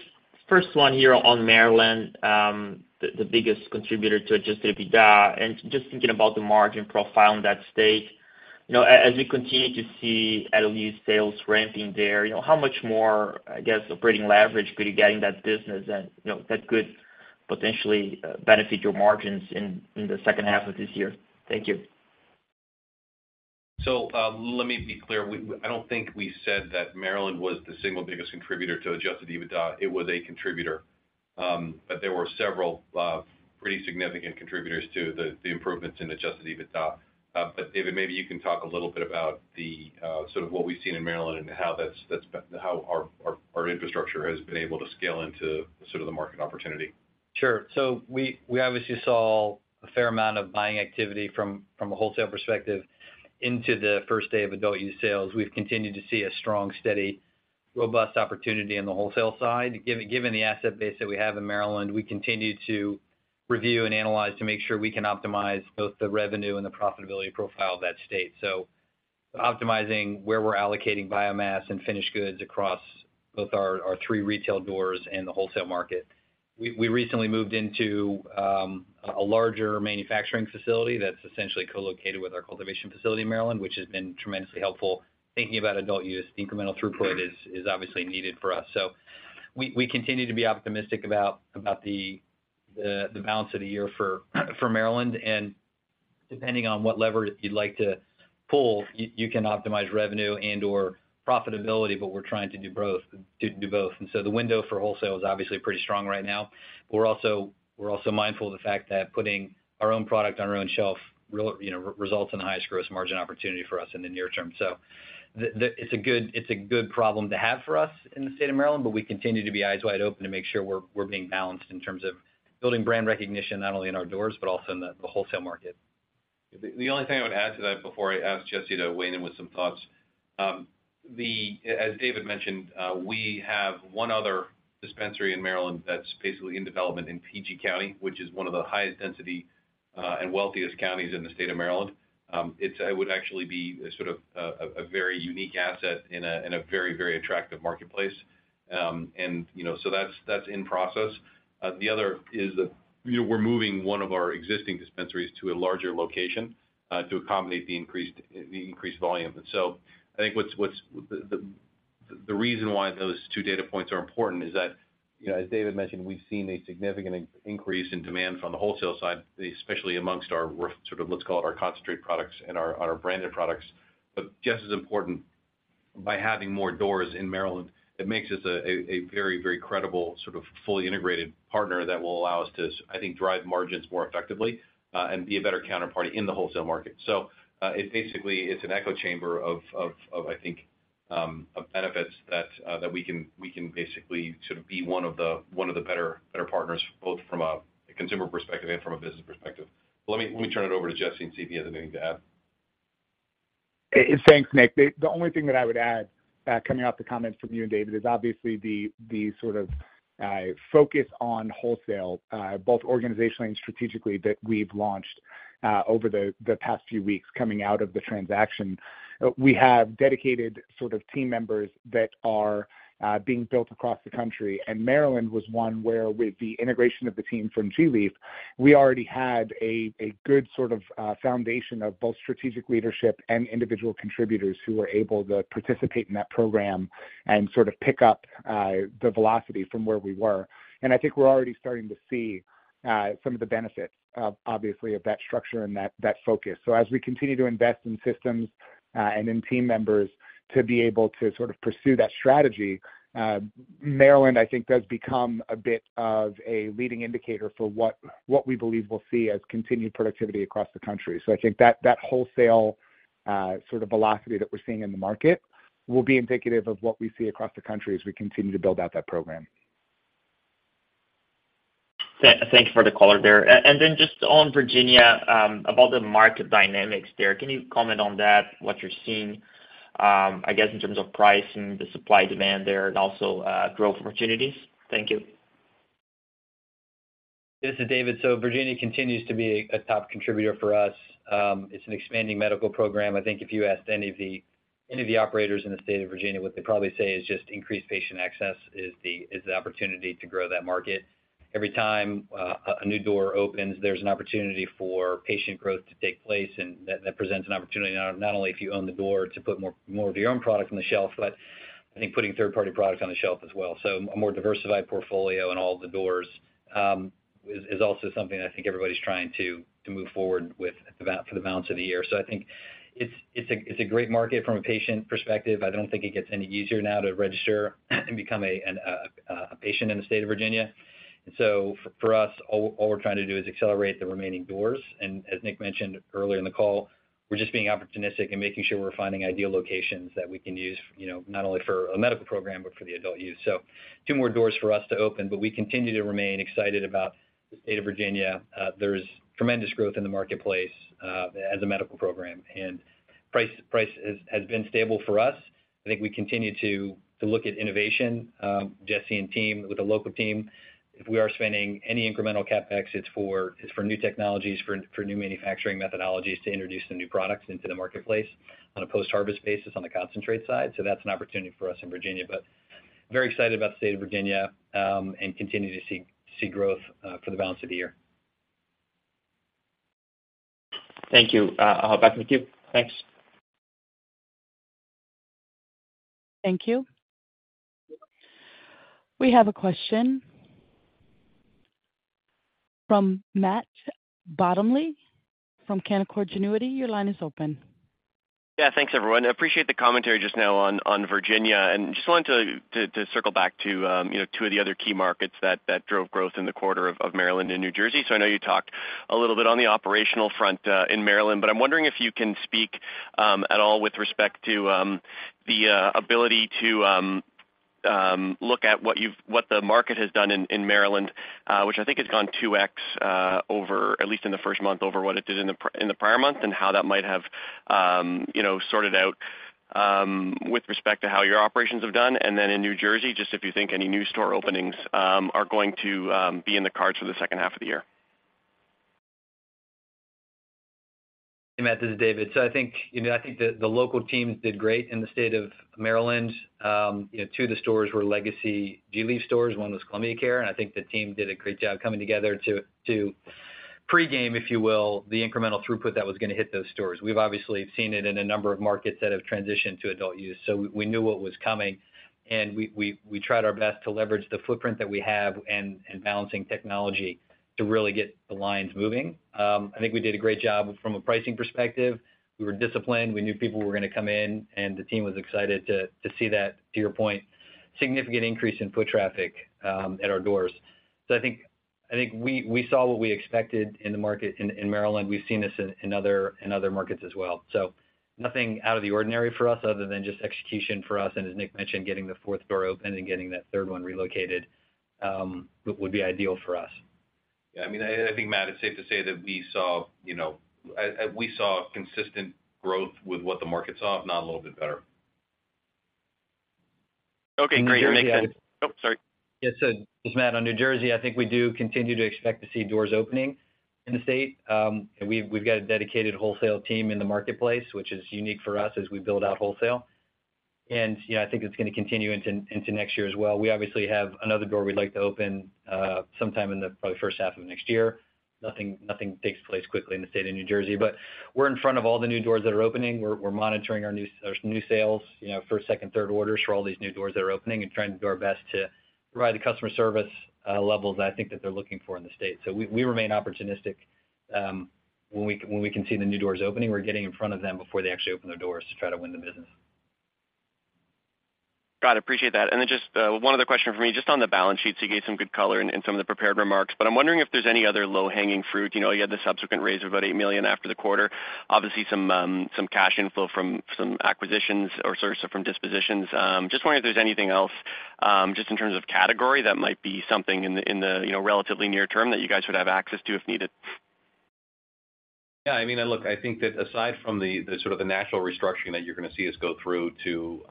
first one here on Maryland, the, the biggest contributor to Adjusted EBITDA, and just thinking about the margin profile in that state. You know, as we continue to see adult use sales ramping there, you know, how much more, I guess, operating leverage could you get in that business and, you know, that could potentially, benefit your margins in, in the second half of this year? Thank you. Let me be clear. We I don't think we said that Maryland was the single biggest contributor to Adjusted EBITDA. It was a contributor, but there were several pretty significant contributors to the, the improvements in Adjusted EBITDA. David, maybe you can talk a little bit about the sort of what we've seen in Maryland and how that's, that's been, how our, our, our infrastructure has been able to scale into sort of the market opportunity. Sure. We, we obviously saw a fair amount of buying activity from, from a wholesale perspective into the first day of adult use sales. We've continued to see a strong, steady, robust opportunity on the wholesale side. Given, given the asset base that we have in Maryland, we continue to review and analyze to make sure we can optimize both the revenue and the profitability profile of that state. Optimizing where we're allocating biomass and finished goods across both our, our three retail doors and the wholesale market. We, we recently moved into a larger manufacturing facility that's essentially co-located with our cultivation facility in Maryland, which has been tremendously helpful. Thinking about adult use, incremental throughput is, is obviously needed for us. We continue to be optimistic about the balance of the year for Maryland, and depending on what lever you'd like to pull, you can optimize revenue and/or profitability, but we're trying to do both. The window for wholesale is obviously pretty strong right now, but we're also mindful of the fact that putting our own product on our own shelf, you know, results in a higher gross margin opportunity for us in the near term. It's a good problem to have for us in the state of Maryland, but we continue to be eyes wide open to make sure we're being balanced in terms of building brand recognition, not only in our doors, but also in the wholesale market. The only thing I would add to that before I ask Jesse to weigh in with some thoughts, the... As David mentioned, we have one other dispensary in Maryland that's basically in development in PG County, which is one of the highest density and wealthiest counties in the state of Maryland. It's would actually be a sort of a very unique asset in a very, very attractive marketplace. You know, so that's, that's in process. The other is the, you know, we're moving one of our existing dispensaries to a larger location to accommodate the increased volume. I think what's the reason why those two data points are important is that, you know, as David mentioned, we've seen a significant increase in demand from the wholesale side, especially amongst our, sort of, let's call it, our concentrate products and our branded products. Just as important, by having more doors in Maryland, it makes us a very, very credible, sort of, fully integrated partner that will allow us to, I think, drive margins more effectively and be a better counterparty in the wholesale market. It basically, it's an echo chamber of, I think- ...of benefits that, that we can, we can basically sort of be one of the, one of the better, better partners, both from a consumer perspective and from a business perspective. Let me, let me turn it over to Jesse and see if he has anything to add. Thanks, Nick. The, the only thing that I would add, coming off the comments from you and David, is obviously the, the sort of focus on wholesale, both organizationally and strategically, that we've launched over the past few weeks coming out of the transaction. We have dedicated sort of team members that are being built across the country, and Maryland was one where with the integration of the team from gLeaf, we already had a, a good sort of foundation of both strategic leadership and individual contributors who were able to participate in that program and sort of pick up the velocity from where we were. I think we're already starting to see some of the benefits of, obviously, of that structure and that, that focus. As we continue to invest in systems, and in team members to be able to sort of pursue that strategy, Maryland, I think, does become a bit of a leading indicator for what, what we believe we'll see as continued productivity across the country. I think that, that wholesale, sort of velocity that we're seeing in the market will be indicative of what we see across the country as we continue to build out that program. Thanks for the color there. Then just on Virginia, about the market dynamics there, can you comment on that, what you're seeing, I guess in terms of price and the supply-demand there and also, growth opportunities? Thank you. This is David. Virginia continues to be a top contributor for us. It's an expanding medical program. I think if you asked any of the, any of the operators in the state of Virginia, what they'd probably say is just increased patient access is the, is the opportunity to grow that market. Every time a new door opens, there's an opportunity for patient growth to take place, and that, that presents an opportunity not, not only if you own the door to put more, more of your own product on the shelf, but I think putting third-party product on the shelf as well. A more diversified portfolio in all the doors is also something I think everybody's trying to, to move forward with for the balance of the year. I think it's, it's a, it's a great market from a patient perspective. I don't think it gets any easier now to register and become a patient in the state of Virginia. For us, all we're trying to do is accelerate the remaining doors. As Nick mentioned earlier in the call, we're just being opportunistic and making sure we're finding ideal locations that we can use, you know, not only for a medical program, but for the adult use. Two more doors for us to open, but we continue to remain excited about the state of Virginia. There's tremendous growth in the marketplace, as a medical program, and price has been stable for us. I think we continue to look at innovation, Jesse and team, with the local team. If we are spending any incremental CapEx, it's for, it's for new technologies, for, for new manufacturing methodologies to introduce some new products into the marketplace on a post-harvest basis, on the concentrate side. That's an opportunity for us in Virginia, but very excited about the state of Virginia, and continue to see, see growth for the balance of the year. Thank you. I'll hop back to you. Thanks. Thank you. We have a question from Matt Bottomley from Canaccord Genuity. Your line is open. Yeah, thanks, everyone. I appreciate the commentary just now on, on Virginia. Just wanted to, to, to circle back to, you know, two of the other key markets that, that drove growth in the quarter of, of Maryland and New Jersey. I know you talked a little bit on the operational front, in Maryland, but I'm wondering if you can speak at all with respect to the ability to look at what the market has done in, in Maryland, which I think has gone 2x over, at least in the first month, over what it did in the prior month, and how that might have, you know, sorted out with respect to how your operations have done. In New Jersey, just if you think any new store openings are going to be in the cards for the second half of the year. Hey, Matt, this is David. I think, you know, I think the, the local teams did great in the state of Maryland. You know, two of the stores were legacy gLeaf stores. One was Columbia Care, and I think the team did a great job coming together to, to pregame, if you will, the incremental throughput that was going to hit those stores. We've obviously seen it in a number of markets that have transitioned to adult use, so we, we knew what was coming, and we, we, we tried our best to leverage the footprint that we have and, and balancing technology to really get the lines moving. I think we did a great job from a pricing perspective. We were disciplined. We knew people were going to come in, and the team was excited to, to see that, to your point, significant increase in foot traffic at our doors. I think, I think we, we saw what we expected in the market in, in Maryland. We've seen this in, in other, in other markets as well. Nothing out of the ordinary for us other than just execution for us, and as Nick mentioned, getting the fourth door open and getting that third one relocated would be ideal for us. Yeah, I mean, I, I think, Matt, it's safe to say that we saw, you know, we saw consistent growth with what the market saw, if not a little bit better. Okay, great. That makes sense. Sorry. Yes, Matt, on New Jersey, I think we do continue to expect to see doors opening in the state. We've got a dedicated wholesale team in the marketplace, which is unique for us as we build out wholesale. You know, I think it's going to continue into next year as well. We obviously have another door we'd like to open sometime in the probably first half of next year. Nothing, nothing takes place quickly in the state of New Jersey, but we're in front of all the new doors that are opening. We're monitoring there's new sales, you know, first, second, third orders for all these new doors that are opening and trying to do our best to provide the customer service levels I think that they're looking for in the state. We, we remain opportunistic, when we, when we can see the new doors opening, we're getting in front of them before they actually open their doors to try to win the business. Got it, appreciate that. One other question for me, just on the balance sheet. You gave some good color in, in some of the prepared remarks, but I'm wondering if there's any other low-hanging fruit. You know, you had the subsequent raise of about $8 million after the quarter, obviously some cash inflow from some acquisitions or sorry, from dispositions. Just wondering if there's anything else, just in terms of category, that might be something in the, in the, you know, relatively near term that you guys would have access to if needed? I mean, look, I think that aside from the, the sort of the natural restructuring that you're gonna see us go through to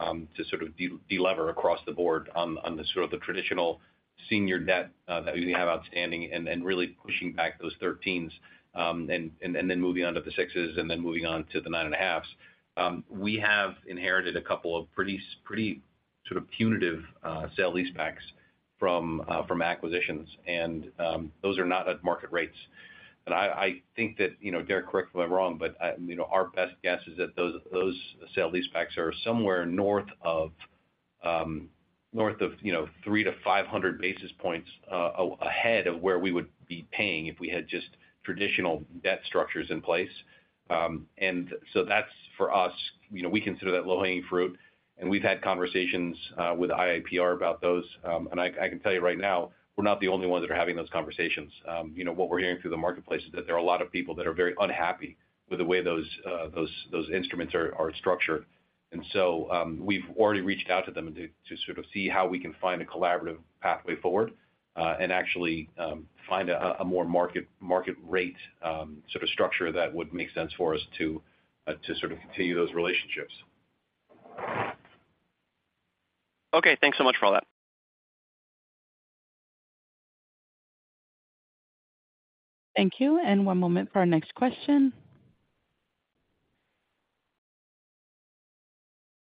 sort of delever across the board on, on the sort of the traditional senior debt that we have outstanding and, and really pushing back those 13s, and, and, then moving on to the 6s and then moving on to the 9.5s, we have inherited a couple of pretty pretty sort of punitive sale-leasebacks from acquisitions, and those are not at market rates. I, I think that, you know, Derek, correct me if I'm wrong, but, you know, our best guess is that those, those sale-leasebacks are somewhere north of, north of, you know, 300 basis points-500 basis points ahead of where we would be paying if we had just traditional debt structures in place. So that's for us, you know, we consider that low-hanging fruit, and we've had conversations with IIPR about those. I, I can tell you right now, we're not the only ones that are having those conversations. You know, what we're hearing through the marketplace is that there are a lot of people that are very unhappy with the way those, those, those instruments are, are structured. We've already reached out to them to, to sort of see how we can find a collaborative pathway forward, and actually, find a, a more market, market rate, sort of structure that would make sense for us to, to sort of continue those relationships. Okay, thanks so much for all that. Thank you. One moment for our next question.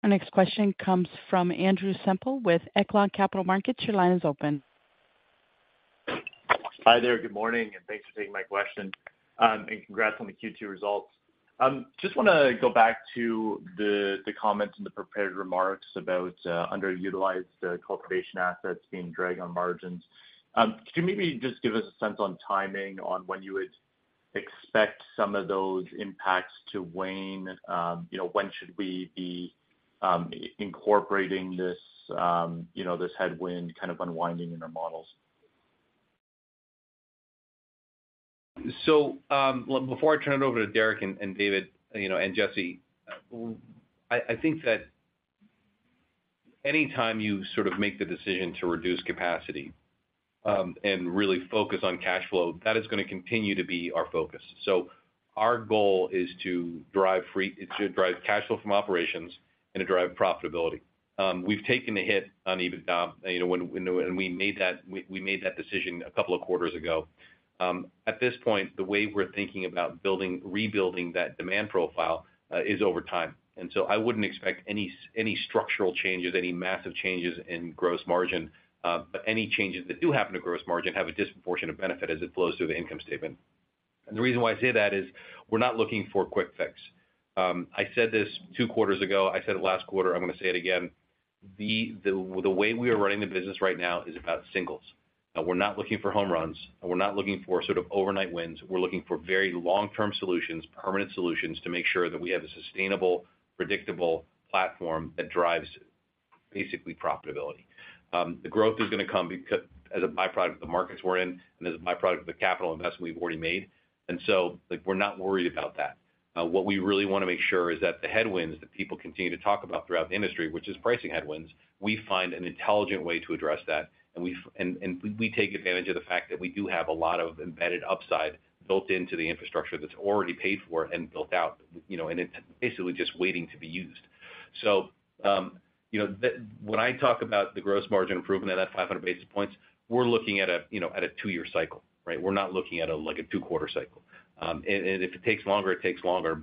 Our next question comes from Andrew Semple with Echelon Capital Markets. Your line is open. Hi there, good morning, and thanks for taking my question. Congrats on the Q2 results. Just wanna go back to the, the comments in the prepared remarks about underutilized cultivation assets being dragged on margins. Could you maybe just give us a sense on timing on when you would expect some of those impacts to weigh? You know, when should we be incorporating this, you know, this headwind kind of unwinding in our models? Well, before I turn it over to Derek and David, you know, and Jesse, I think that any time you sort of make the decision to reduce capacity and really focus on cash flow, that is gonna continue to be our focus. Our goal is to drive cash flow from operations and to drive profitability. We've taken the hit on EBITDA, you know, when and we made that decision a couple of quarters ago. At this point, the way we're thinking about building, rebuilding that demand profile is over time. I wouldn't expect any structural changes, any massive changes in gross margin. Any changes that do happen to gross margin have a disproportionate benefit as it flows through the income statement. The reason why I say that is we're not looking for quick fix. I said this two quarters ago, I said it last quarter, I'm gonna say it again. The way we are running the business right now is about singles. We're not looking for home runs, and we're not looking for sort of overnight wins. We're looking for very long-term solutions, permanent solutions, to make sure that we have a sustainable, predictable platform that drives basically profitability. The growth is gonna come as a by-product of the markets we're in and as a by-product of the capital investment we've already made. Like, we're not worried about that. What we really wanna make sure is that the headwinds that people continue to talk about throughout the industry, which is pricing headwinds, we find an intelligent way to address that, and we take advantage of the fact that we do have a lot of embedded upside built into the infrastructure that's already paid for and built out, you know, and it's basically just waiting to be used. you know, the. When I talk about the gross margin improvement at that 500 basis points, we're looking at a, you know, at a two-year cycle, right? We're not looking at a, like a two-quarter cycle. And, if it takes longer, it takes longer.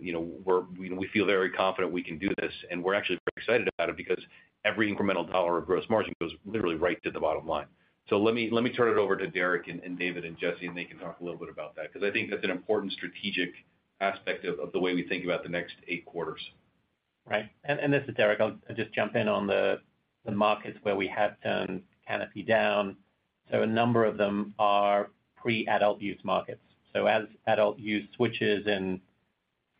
You know, we're, you know, we feel very confident we can do this, and we're actually very excited about it because every incremental dollar of gross margin goes literally right to the bottom line. Let me, let me turn it over to Derek and David and Jesse, and they can talk a little bit about that, because I think that's an important strategic aspect of, of the way we think about the next eight quarters. Right. This is Derek. I'll just jump in on the markets where we have turned canopy down. A number of them are pre-adult use markets. As adult use switches in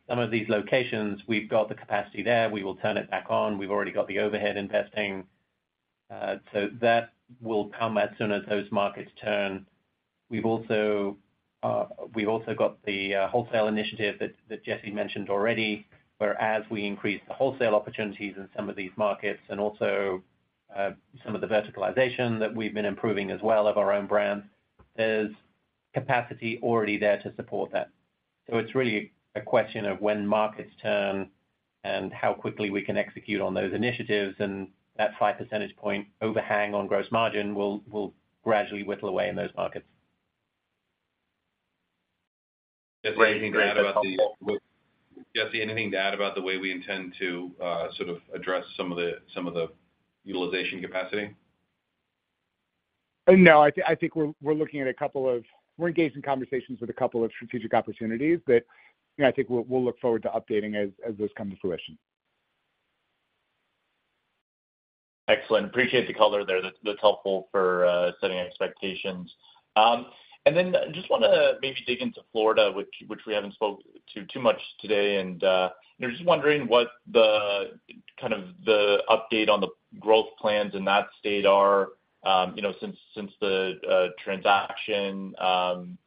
some of these locations, we've got the capacity there. We will turn it back on. We've already got the overhead investing, so that will come as soon as those markets turn. We've also, we've also got the wholesale initiative that Jesse mentioned already, where as we increase the wholesale opportunities in some of these markets and also, some of the verticalization that we've been improving as well of our own brands, there's capacity already there to support that. It's really a question of when markets turn and how quickly we can execute on those initiatives, and that 5 percentage points overhang on gross margin will, will gradually whittle away in those markets. Jesse, anything to add about the? Great. Jesse, anything to add about the way we intend to sort of address some of the, some of the utilization capacity? No. We're engaged in conversations with a couple of strategic opportunities that, you know, I think we'll, we'll look forward to updating as, as those come to fruition. Excellent. Appreciate the color there. That's, that's helpful for setting expectations. Then just wanna maybe dig into Florida, which, which we haven't spoke to too much today. You know, just wondering what the, kind of, the update on the growth plans in that state are, you know, since, since the transaction,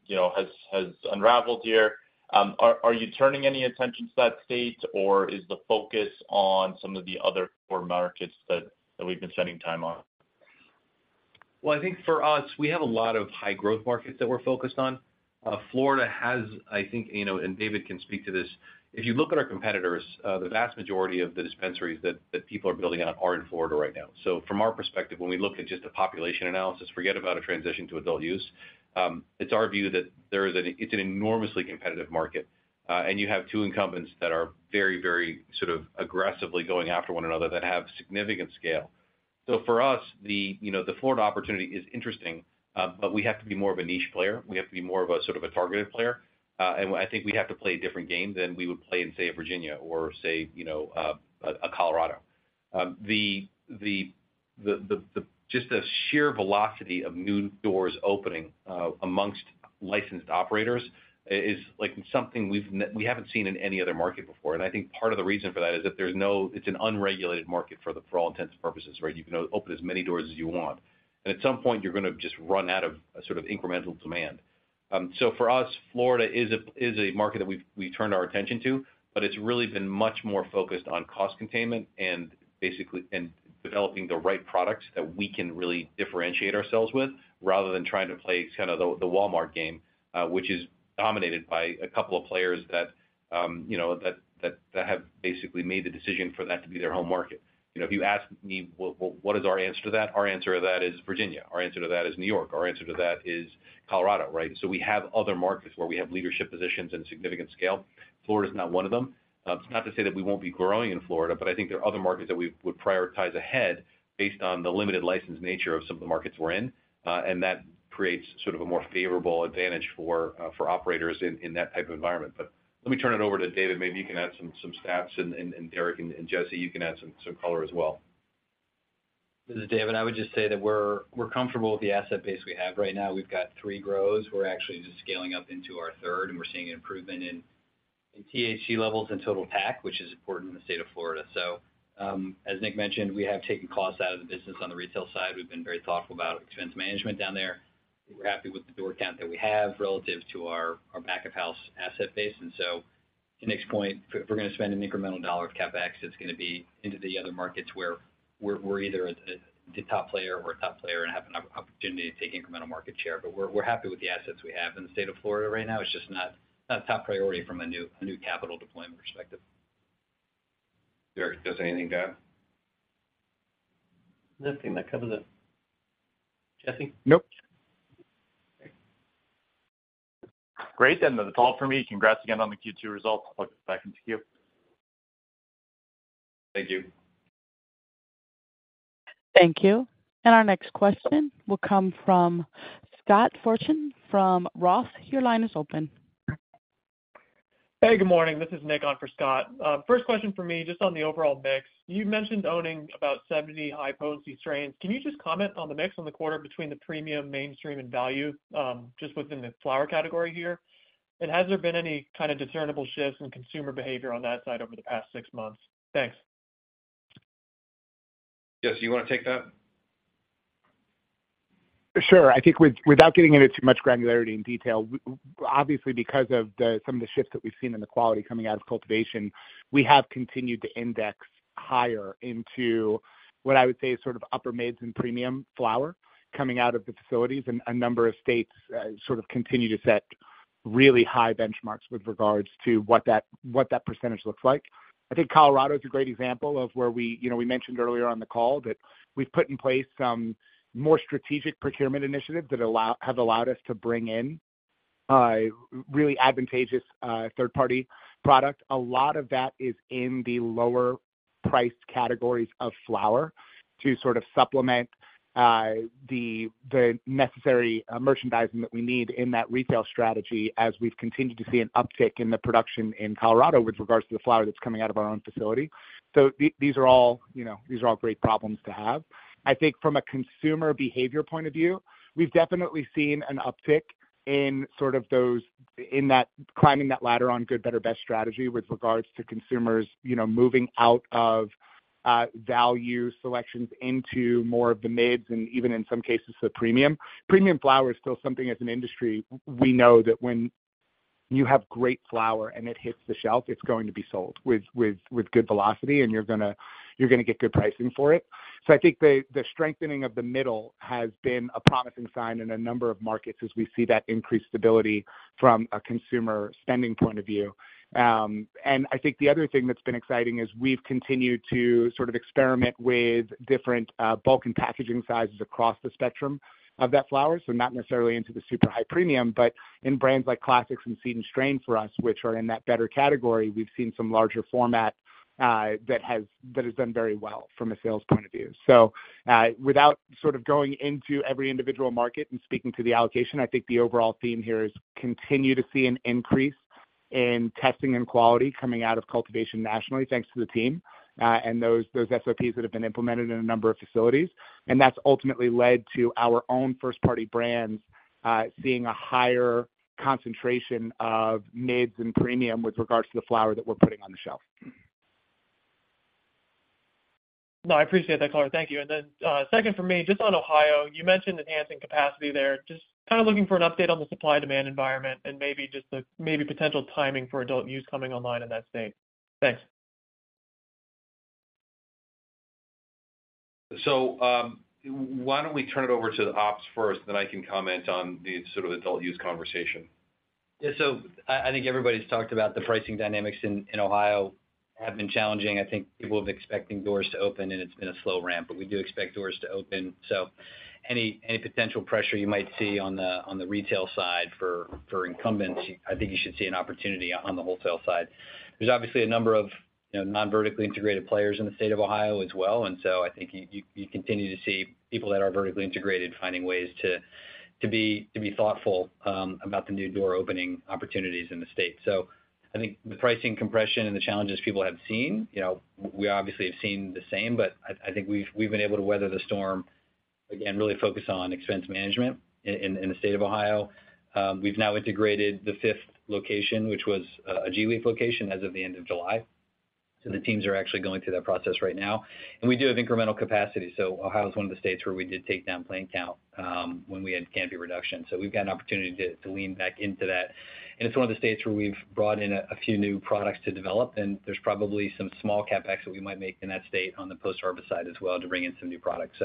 you know, has, has unraveled here. Are, are you turning any attention to that state, or is the focus on some of the other core markets that, that we've been spending time on? Well, I think for us, we have a lot of high-growth markets that we're focused on. Florida has, I think, you know, and David can speak to this, if you look at our competitors, the vast majority of the dispensaries that, that people are building out are in Florida right now. From our perspective, when we look at just a population analysis, forget about a transition to adult use, it's our view that it's an enormously competitive market, and you have two incumbents that are very, very sort of aggressively going after one another that have significant scale. For us, the, you know, the Florida opportunity is interesting, but we have to be more of a niche player. We have to be more of a, sort of, a targeted player. I think we have to play a different game than we would play in, say, a Virginia or say, you know, a Colorado. The just the sheer velocity of new doors opening, amongst licensed operators is like something we haven't seen in any other market before. I think part of the reason for that is that there's no. It's an unregulated market, for all intents and purposes, right? You can open as many doors as you want, and at some point, you're gonna just run out of sort of incremental demand. For us, Florida is a market that we've, we turned our attention to, but it's really been much more focused on cost containment and basically, and developing the right products that we can really differentiate ourselves with, rather than trying to play kind of the Walmart game, which is dominated by a couple of players that, you know, have basically made the decision for that to be their home market. You know, if you ask me, what is our answer to that? Our answer to that is Virginia. Our answer to that is New York. Our answer to that is Colorado, right? We have other markets where we have leadership positions and significant scale. Florida is not one of them. It's not to say that we won't be growing in Florida, but I think there are other markets that we would prioritize ahead based on the limited license nature of some of the markets we're in, and that creates sort of a more favorable advantage for, for operators in, in that type of environment. But let me turn it over to David. Maybe you can add some, some stats, and, and, and Derek and, and Jesse, you can add some, some color as well. This is David. I would just say that we're, we're comfortable with the asset base we have right now. We've got three grows. We're actually just scaling up into our third, and we're seeing an improvement in, in THC levels and total TAC, which is important in the state of Florida. As Nick mentioned, we have taken costs out of the business on the retail side. We've been very thoughtful about expense management down there. We're happy with the door count that we have relative to our, our back-of-house asset base. To Nick's point, if we're gonna spend an incremental dollar of CapEx, it's gonna be into the other markets where we're, we're either a, the top player or a top player and have an opportunity to take incremental market share. We're, we're happy with the assets we have in the state of Florida right now. It's just not, not a top priority from a new, a new capital deployment perspective. Derek, does anything to add? Nothing that covers it. Jesse? Nope. Great, that's all for me. Congrats again on the Q2 results. Look back into you. Thank you. Thank you. Our next question will come from Scott Fortune from Roth. Your line is open. Hey, good morning. This is Nick on for Scott. First question for me, just on the overall mix. You mentioned owning about 70 high-potency strains. Can you just comment on the mix on the quarter between the premium, mainstream, and value, just within the flower category here? Has there been any kind of discernible shifts in consumer behavior on that side over the past six months? Thanks. Jesse, you wanna take that? Sure. I think without getting into too much granularity and detail, obviously, because of the some of the shifts that we've seen in the quality coming out of cultivation, we have continued to index higher into what I would say is sort of upper-mids and premium flower coming out of the facilities. A number of states, sort of continue to set really high benchmarks with regards to what that, what that percentage looks like. I think Colorado is a great example of where we. You know, we mentioned earlier on the call that we've put in place some more strategic procurement initiatives that have allowed us to bring in, really advantageous, third-party product. A lot of that is in the lower priced categories of flower to sort of supplement the, the necessary merchandising that we need in that retail strategy as we've continued to see an uptick in the production in Colorado with regards to the flower that's coming out of our own facility. These are all, you know, these are all great problems to have. I think from a consumer behavior point of view, we've definitely seen an uptick in sort of those, in that, climbing that ladder on good, better, best strategy with regards to consumers, you know, moving out of value selections into more of the mids, and even in some cases, the premium. Premium flower is still something, as an industry, we know that when you have great flower and it hits the shelf, it's going to be sold with, with, with good velocity, and you're gonna, you're gonna get good pricing for it. I think the, the strengthening of the middle has been a promising sign in a number of markets as we see that increased stability from a consumer spending point of view. And I think the other thing that's been exciting is we've continued to sort of experiment with different bulk and packaging sizes across the spectrum of that flower. Not necessarily into the super high premium, but in brands like Classics and Seed & Strain for us, which are in that better category, we've seen some larger format that has, that has done very well from a sales point of view. Without sort of going into every individual market and speaking to the allocation, I think the overall theme here is continue to see an increase in testing and quality coming out of cultivation nationally, thanks to the team, and those, those SOPs that have been implemented in a number of facilities. That's ultimately led to our own first-party brands, seeing a higher concentration of mids and premium with regards to the flower that we're putting on the shelf. No, I appreciate the color. Thank you. Then, second for me, just on Ohio, you mentioned enhancing capacity there. Just kind of looking for an update on the supply-demand environment and maybe just the, maybe potential timing for adult use coming online in that state. Thanks. Why don't we turn it over to the ops first, then I can comment on the sort of adult use conversation. Yeah. I, I think everybody's talked about the pricing dynamics in, in Ohio have been challenging. I think people have been expecting doors to open, and it's been a slow ramp, but we do expect doors to open. Any, any potential pressure you might see on the, on the retail side for, for incumbents, I think you should see an opportunity on the wholesale side. There's obviously a number of, you know, non-vertically integrated players in the state of Ohio as well, I think you, you, you continue to see people that are vertically integrated finding ways to, to be, to be thoughtful, about the new door-opening opportunities in the state. I think the pricing compression and the challenges people have seen, you know, we obviously have seen the same, but I, I think we've, we've been able to weather the storm, again, really focus on expense management in, in the state of Ohio. We've now integrated the fifth location, which was a, a gLeaf location, as of the end of July. The teams are actually going through that process right now. We do have incremental capacity, so Ohio is one of the states where we did take down plant count when we had canopy reduction. We've got an opportunity to, to lean back into that. It's one of the states where we've brought in a, a few new products to develop, and there's probably some small CapEx that we might make in that state on the post-harvest side as well to bring in some new products.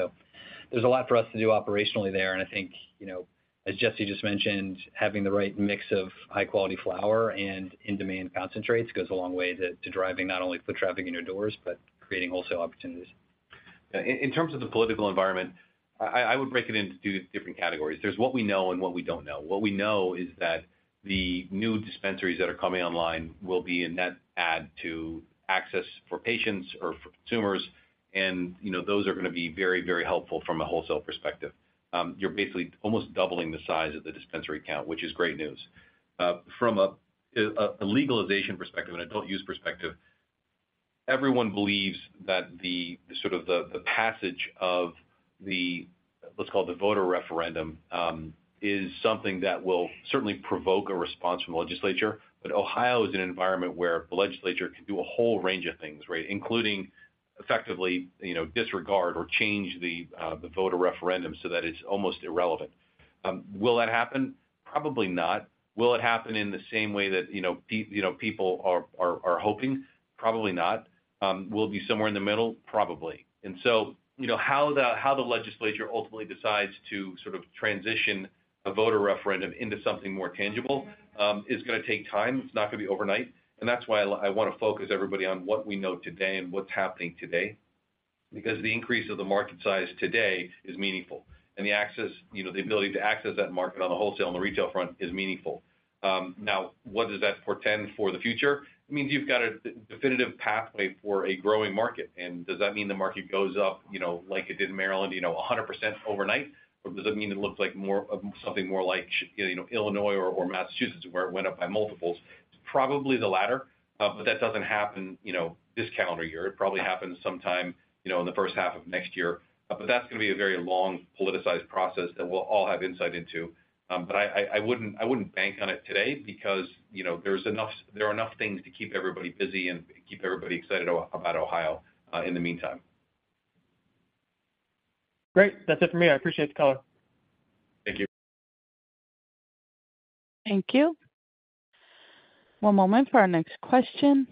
There's a lot for us to do operationally there, and I think, you know, as Jesse just mentioned, having the right mix of high-quality flower and in-demand concentrates goes a long way to, to driving not only foot traffic in your doors, but creating wholesale opportunities. In, in terms of the political environment, I, I would break it into two different categories. There's what we know and what we don't know. What we know is that the new dispensaries that are coming online will be a net add to access for patients or for consumers, and, you know, those are going to be very, very helpful from a wholesale perspective. You're basically almost doubling the size of the dispensary count, which is great news. From a, a, a legalization perspective and adult-use perspective, everyone believes that the, sort of, the, the passage of the, let's call it, the voter referendum, is something that will certainly provoke a response from legislature. Ohio is an environment where the legislature can do a whole range of things, right? Including effectively, you know, disregard or change the, the voter referendum so that it's almost irrelevant. Will that happen? Probably not. Will it happen in the same way that, you know, people are hoping? Probably not. Will it be somewhere in the middle? Probably. You know, how the, how the legislature ultimately decides to sort of transition a voter referendum into something more tangible, is gonna take time. It's not gonna be overnight, and that's why I, I want to focus everybody on what we know today and what's happening today. The increase of the market size today is meaningful, and the access, you know, the ability to access that market on the wholesale and the retail front is meaningful. Now, what does that portend for the future? It means you've got a definitive pathway for a growing market. Does that mean the market goes up, you know, like it did in Maryland, you know, 100% overnight, or does it mean it looks like more, something more like, you know, Illinois or, or Massachusetts, where it went up by multiples? It's probably the latter, that doesn't happen, you know, this calendar year. It probably happens sometime, you know, in the first half of next year. That's gonna be a very long, politicized process that we'll all have insight into. I, I, I wouldn't, I wouldn't bank on it today because, you know, there's enough - there are enough things to keep everybody busy and keep everybody excited about Ohio, in the meantime. Great. That's it for me. I appreciate the color. Thank you. Thank you. One moment for our next question.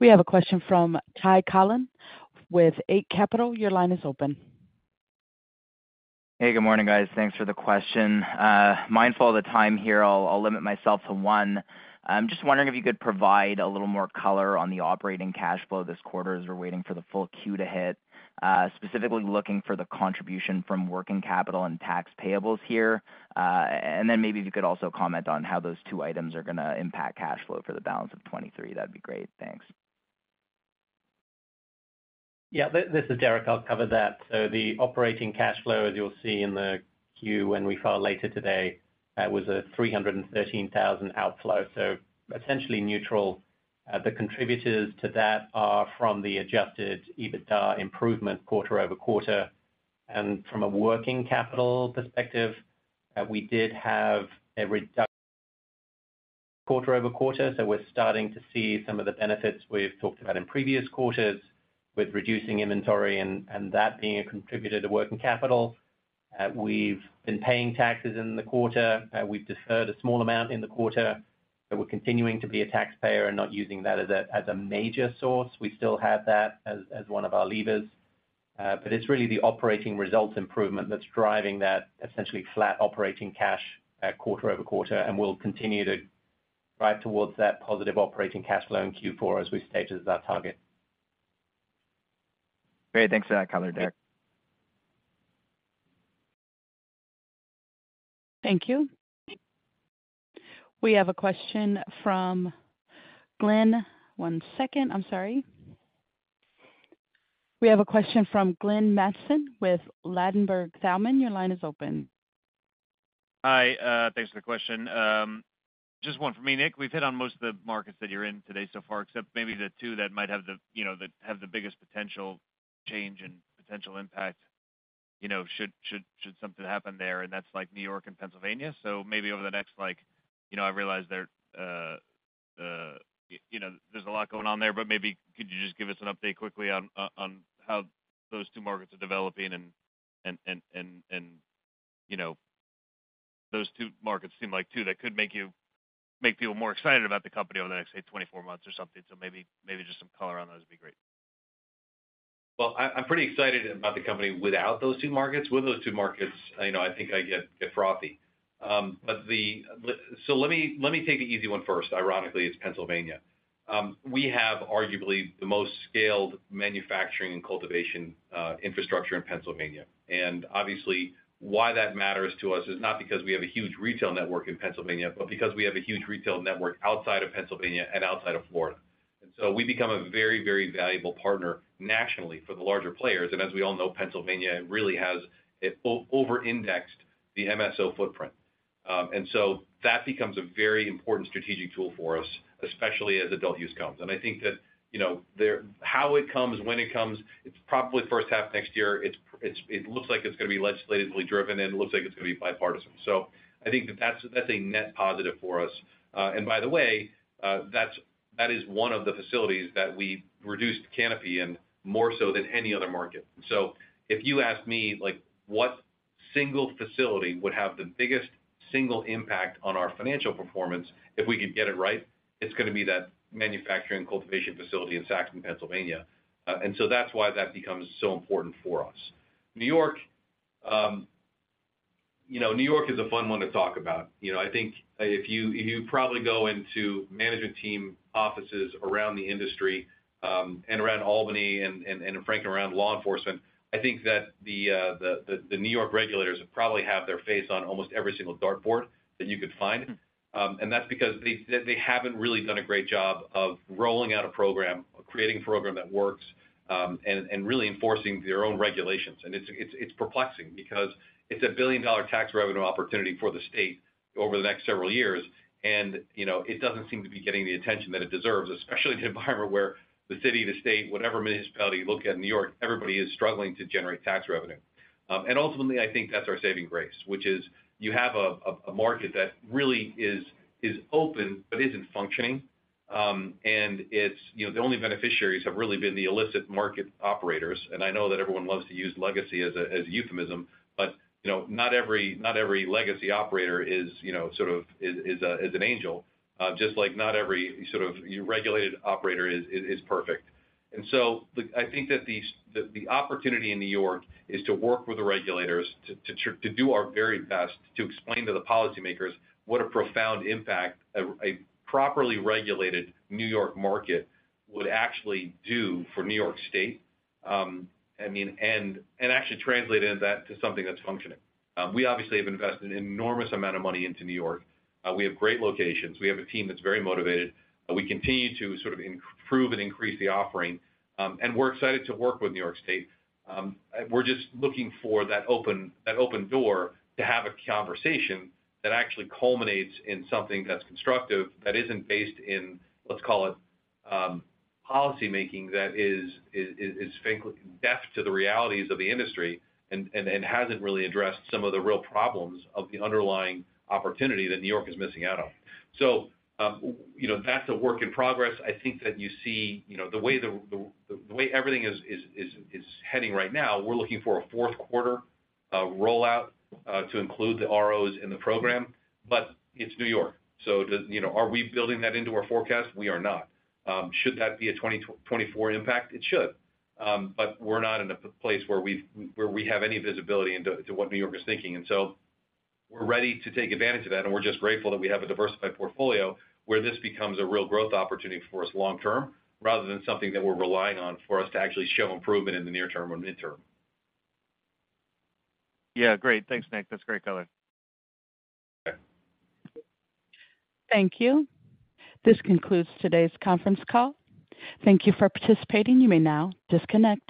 We have a question from Ty Collin with Eight Capital. Your line is open. Hey, good morning, guys. Thanks for the question. Mindful of the time here, I'll, I'll limit myself to one. I'm just wondering if you could provide a little more color on the operating cash flow this quarter, as we're waiting for the full Q to hit. Specifically looking for the contribution from working capital and tax payables here. Then maybe if you could also comment on how those two items are gonna impact cash flow for the balance of 2023. That'd be great. Thanks. Yeah. This, this is Derek, I'll cover that. The operating cash flow, as you'll see in the Q when we file later today, was a $313,000 outflow, so essentially neutral. The contributors to that are from the Adjusted EBITDA improvement quarter-over-quarter. From a working capital perspective, we did have a reduction quarter-over-quarter, so we're starting to see some of the benefits we've talked about in previous quarters with reducing inventory and, and that being a contributor to working capital. We've been paying taxes in the quarter. We've deferred a small amount in the quarter, but we're continuing to be a taxpayer and not using that as a, as a major source. We still have that as, as one of our levers. It's really the operating results improvement that's driving that essentially flat operating cash quarter-over-quarter, and we'll continue to drive towards that positive operating cash flow in Q4, as we stated as our target. Great. Thanks for that color, Derek. Thank you. We have a question from Glenn. One second, I'm sorry. We have a question from Glenn Mattson with Ladenburg Thalmann. Your line is open. Hi, thanks for the question. Just one for me, Nick. We've hit on most of the markets that you're in today so far, except maybe the two that might have the, you know, that have the biggest potential change and potential impact, you know, should, should, should something happen there, and that's like New York and Pennsylvania. Maybe over the next, like, you know, I realize there, you know, there's a lot going on there, but maybe could you just give us an update quickly on, on, on how those two markets are developing and, and, and, and, and, you know, those two markets seem like two that could make you- make people more excited about the company over the next, say, 24 months or something. Maybe, maybe just some color on those would be great. Well, I, I'm pretty excited about the company without those two markets. With those two markets, you know, I think I get frothy. But let me take the easy one first. Ironically, it's Pennsylvania. We have arguably the most scaled manufacturing and cultivation infrastructure in Pennsylvania. Obviously, why that matters to us is not because we have a huge retail network in Pennsylvania, but because we have a huge retail network outside of Pennsylvania and outside of Florida. We become a very, very valuable partner nationally for the larger players. As we all know, Pennsylvania really over-indexed the MSO footprint. That becomes a very important strategic tool for us, especially as adult use comes. I think that, you know, how it comes, when it comes, it's probably first half next year. It looks like it's gonna be legislatively driven, and it looks like it's gonna be bipartisan. I think that that's, that's a net positive for us. By the way, that is one of the facilities that we reduced canopy in, more so than any other market. If you ask me, like, what single facility would have the biggest single impact on our financial performance, if we could get it right, it's gonna be that manufacturing cultivation facility in Saxton, Pennsylvania. That's why that becomes so important for us. New York, you know, New York is a fun one to talk about. You know, I think if you, if you probably go into management team offices around the industry, and around Albany and, and, and frankly, around law enforcement, I think that the, the, the, the New York regulators probably have their face on almost every single dartboard that you could find. That's because they, they haven't really done a great job of rolling out a program, creating a program that works, and, and really enforcing their own regulations. It's, it's, it's perplexing because it's a billion-dollar tax revenue opportunity for the state over the next several years, and, you know, it doesn't seem to be getting the attention that it deserves, especially in an environment where the city, the state, whatever municipality you look at in New York, everybody is struggling to generate tax revenue. Ultimately, I think that's our saving grace, which is you have a market that really is open but isn't functioning. It's, you know, the only beneficiaries have really been the illicit market operators. I know that everyone loves to use legacy as a euphemism, but, you know, not every, not every legacy operator is, you know, sort of, is a, is an angel, just like not every sort of regulated operator is perfect. I think that the opportunity in New York is to work with the regulators to do our very best to explain to the policymakers what a profound impact a properly regulated New York market would actually do for New York State. I mean, actually translate that into something that's functioning. We obviously have invested an enormous amount of money into New York. We have great locations. We have a team that's very motivated. We continue to sort of improve and increase the offering, and we're excited to work with New York State. We're just looking for that open, that open door to have a conversation that actually culminates in something that's constructive, that isn't based in, let's call it, policymaking, that is, is, is, frankly, deaf to the realities of the industry and, and, and hasn't really addressed some of the real problems of the underlying opportunity that New York is missing out on. You know, that's a work in progress. I think that you see, you know, the way the, the way everything is, is, is, is heading right now, we're looking for a fourth quarter, rollout to include the ROs in the program. It's New York. You know, are we building that into our forecast? We are not. Should that be a 2024 impact? It should. We're not in a place where we've, where we have any visibility into, to what New York is thinking. We're ready to take advantage of that, and we're just grateful that we have a diversified portfolio where this becomes a real growth opportunity for us long term, rather than something that we're relying on for us to actually show improvement in the near term or mid-term. Yeah, great. Thanks, Nick. That's great color. Okay. Thank you. This concludes today's conference call. Thank you for participating. You may now disconnect.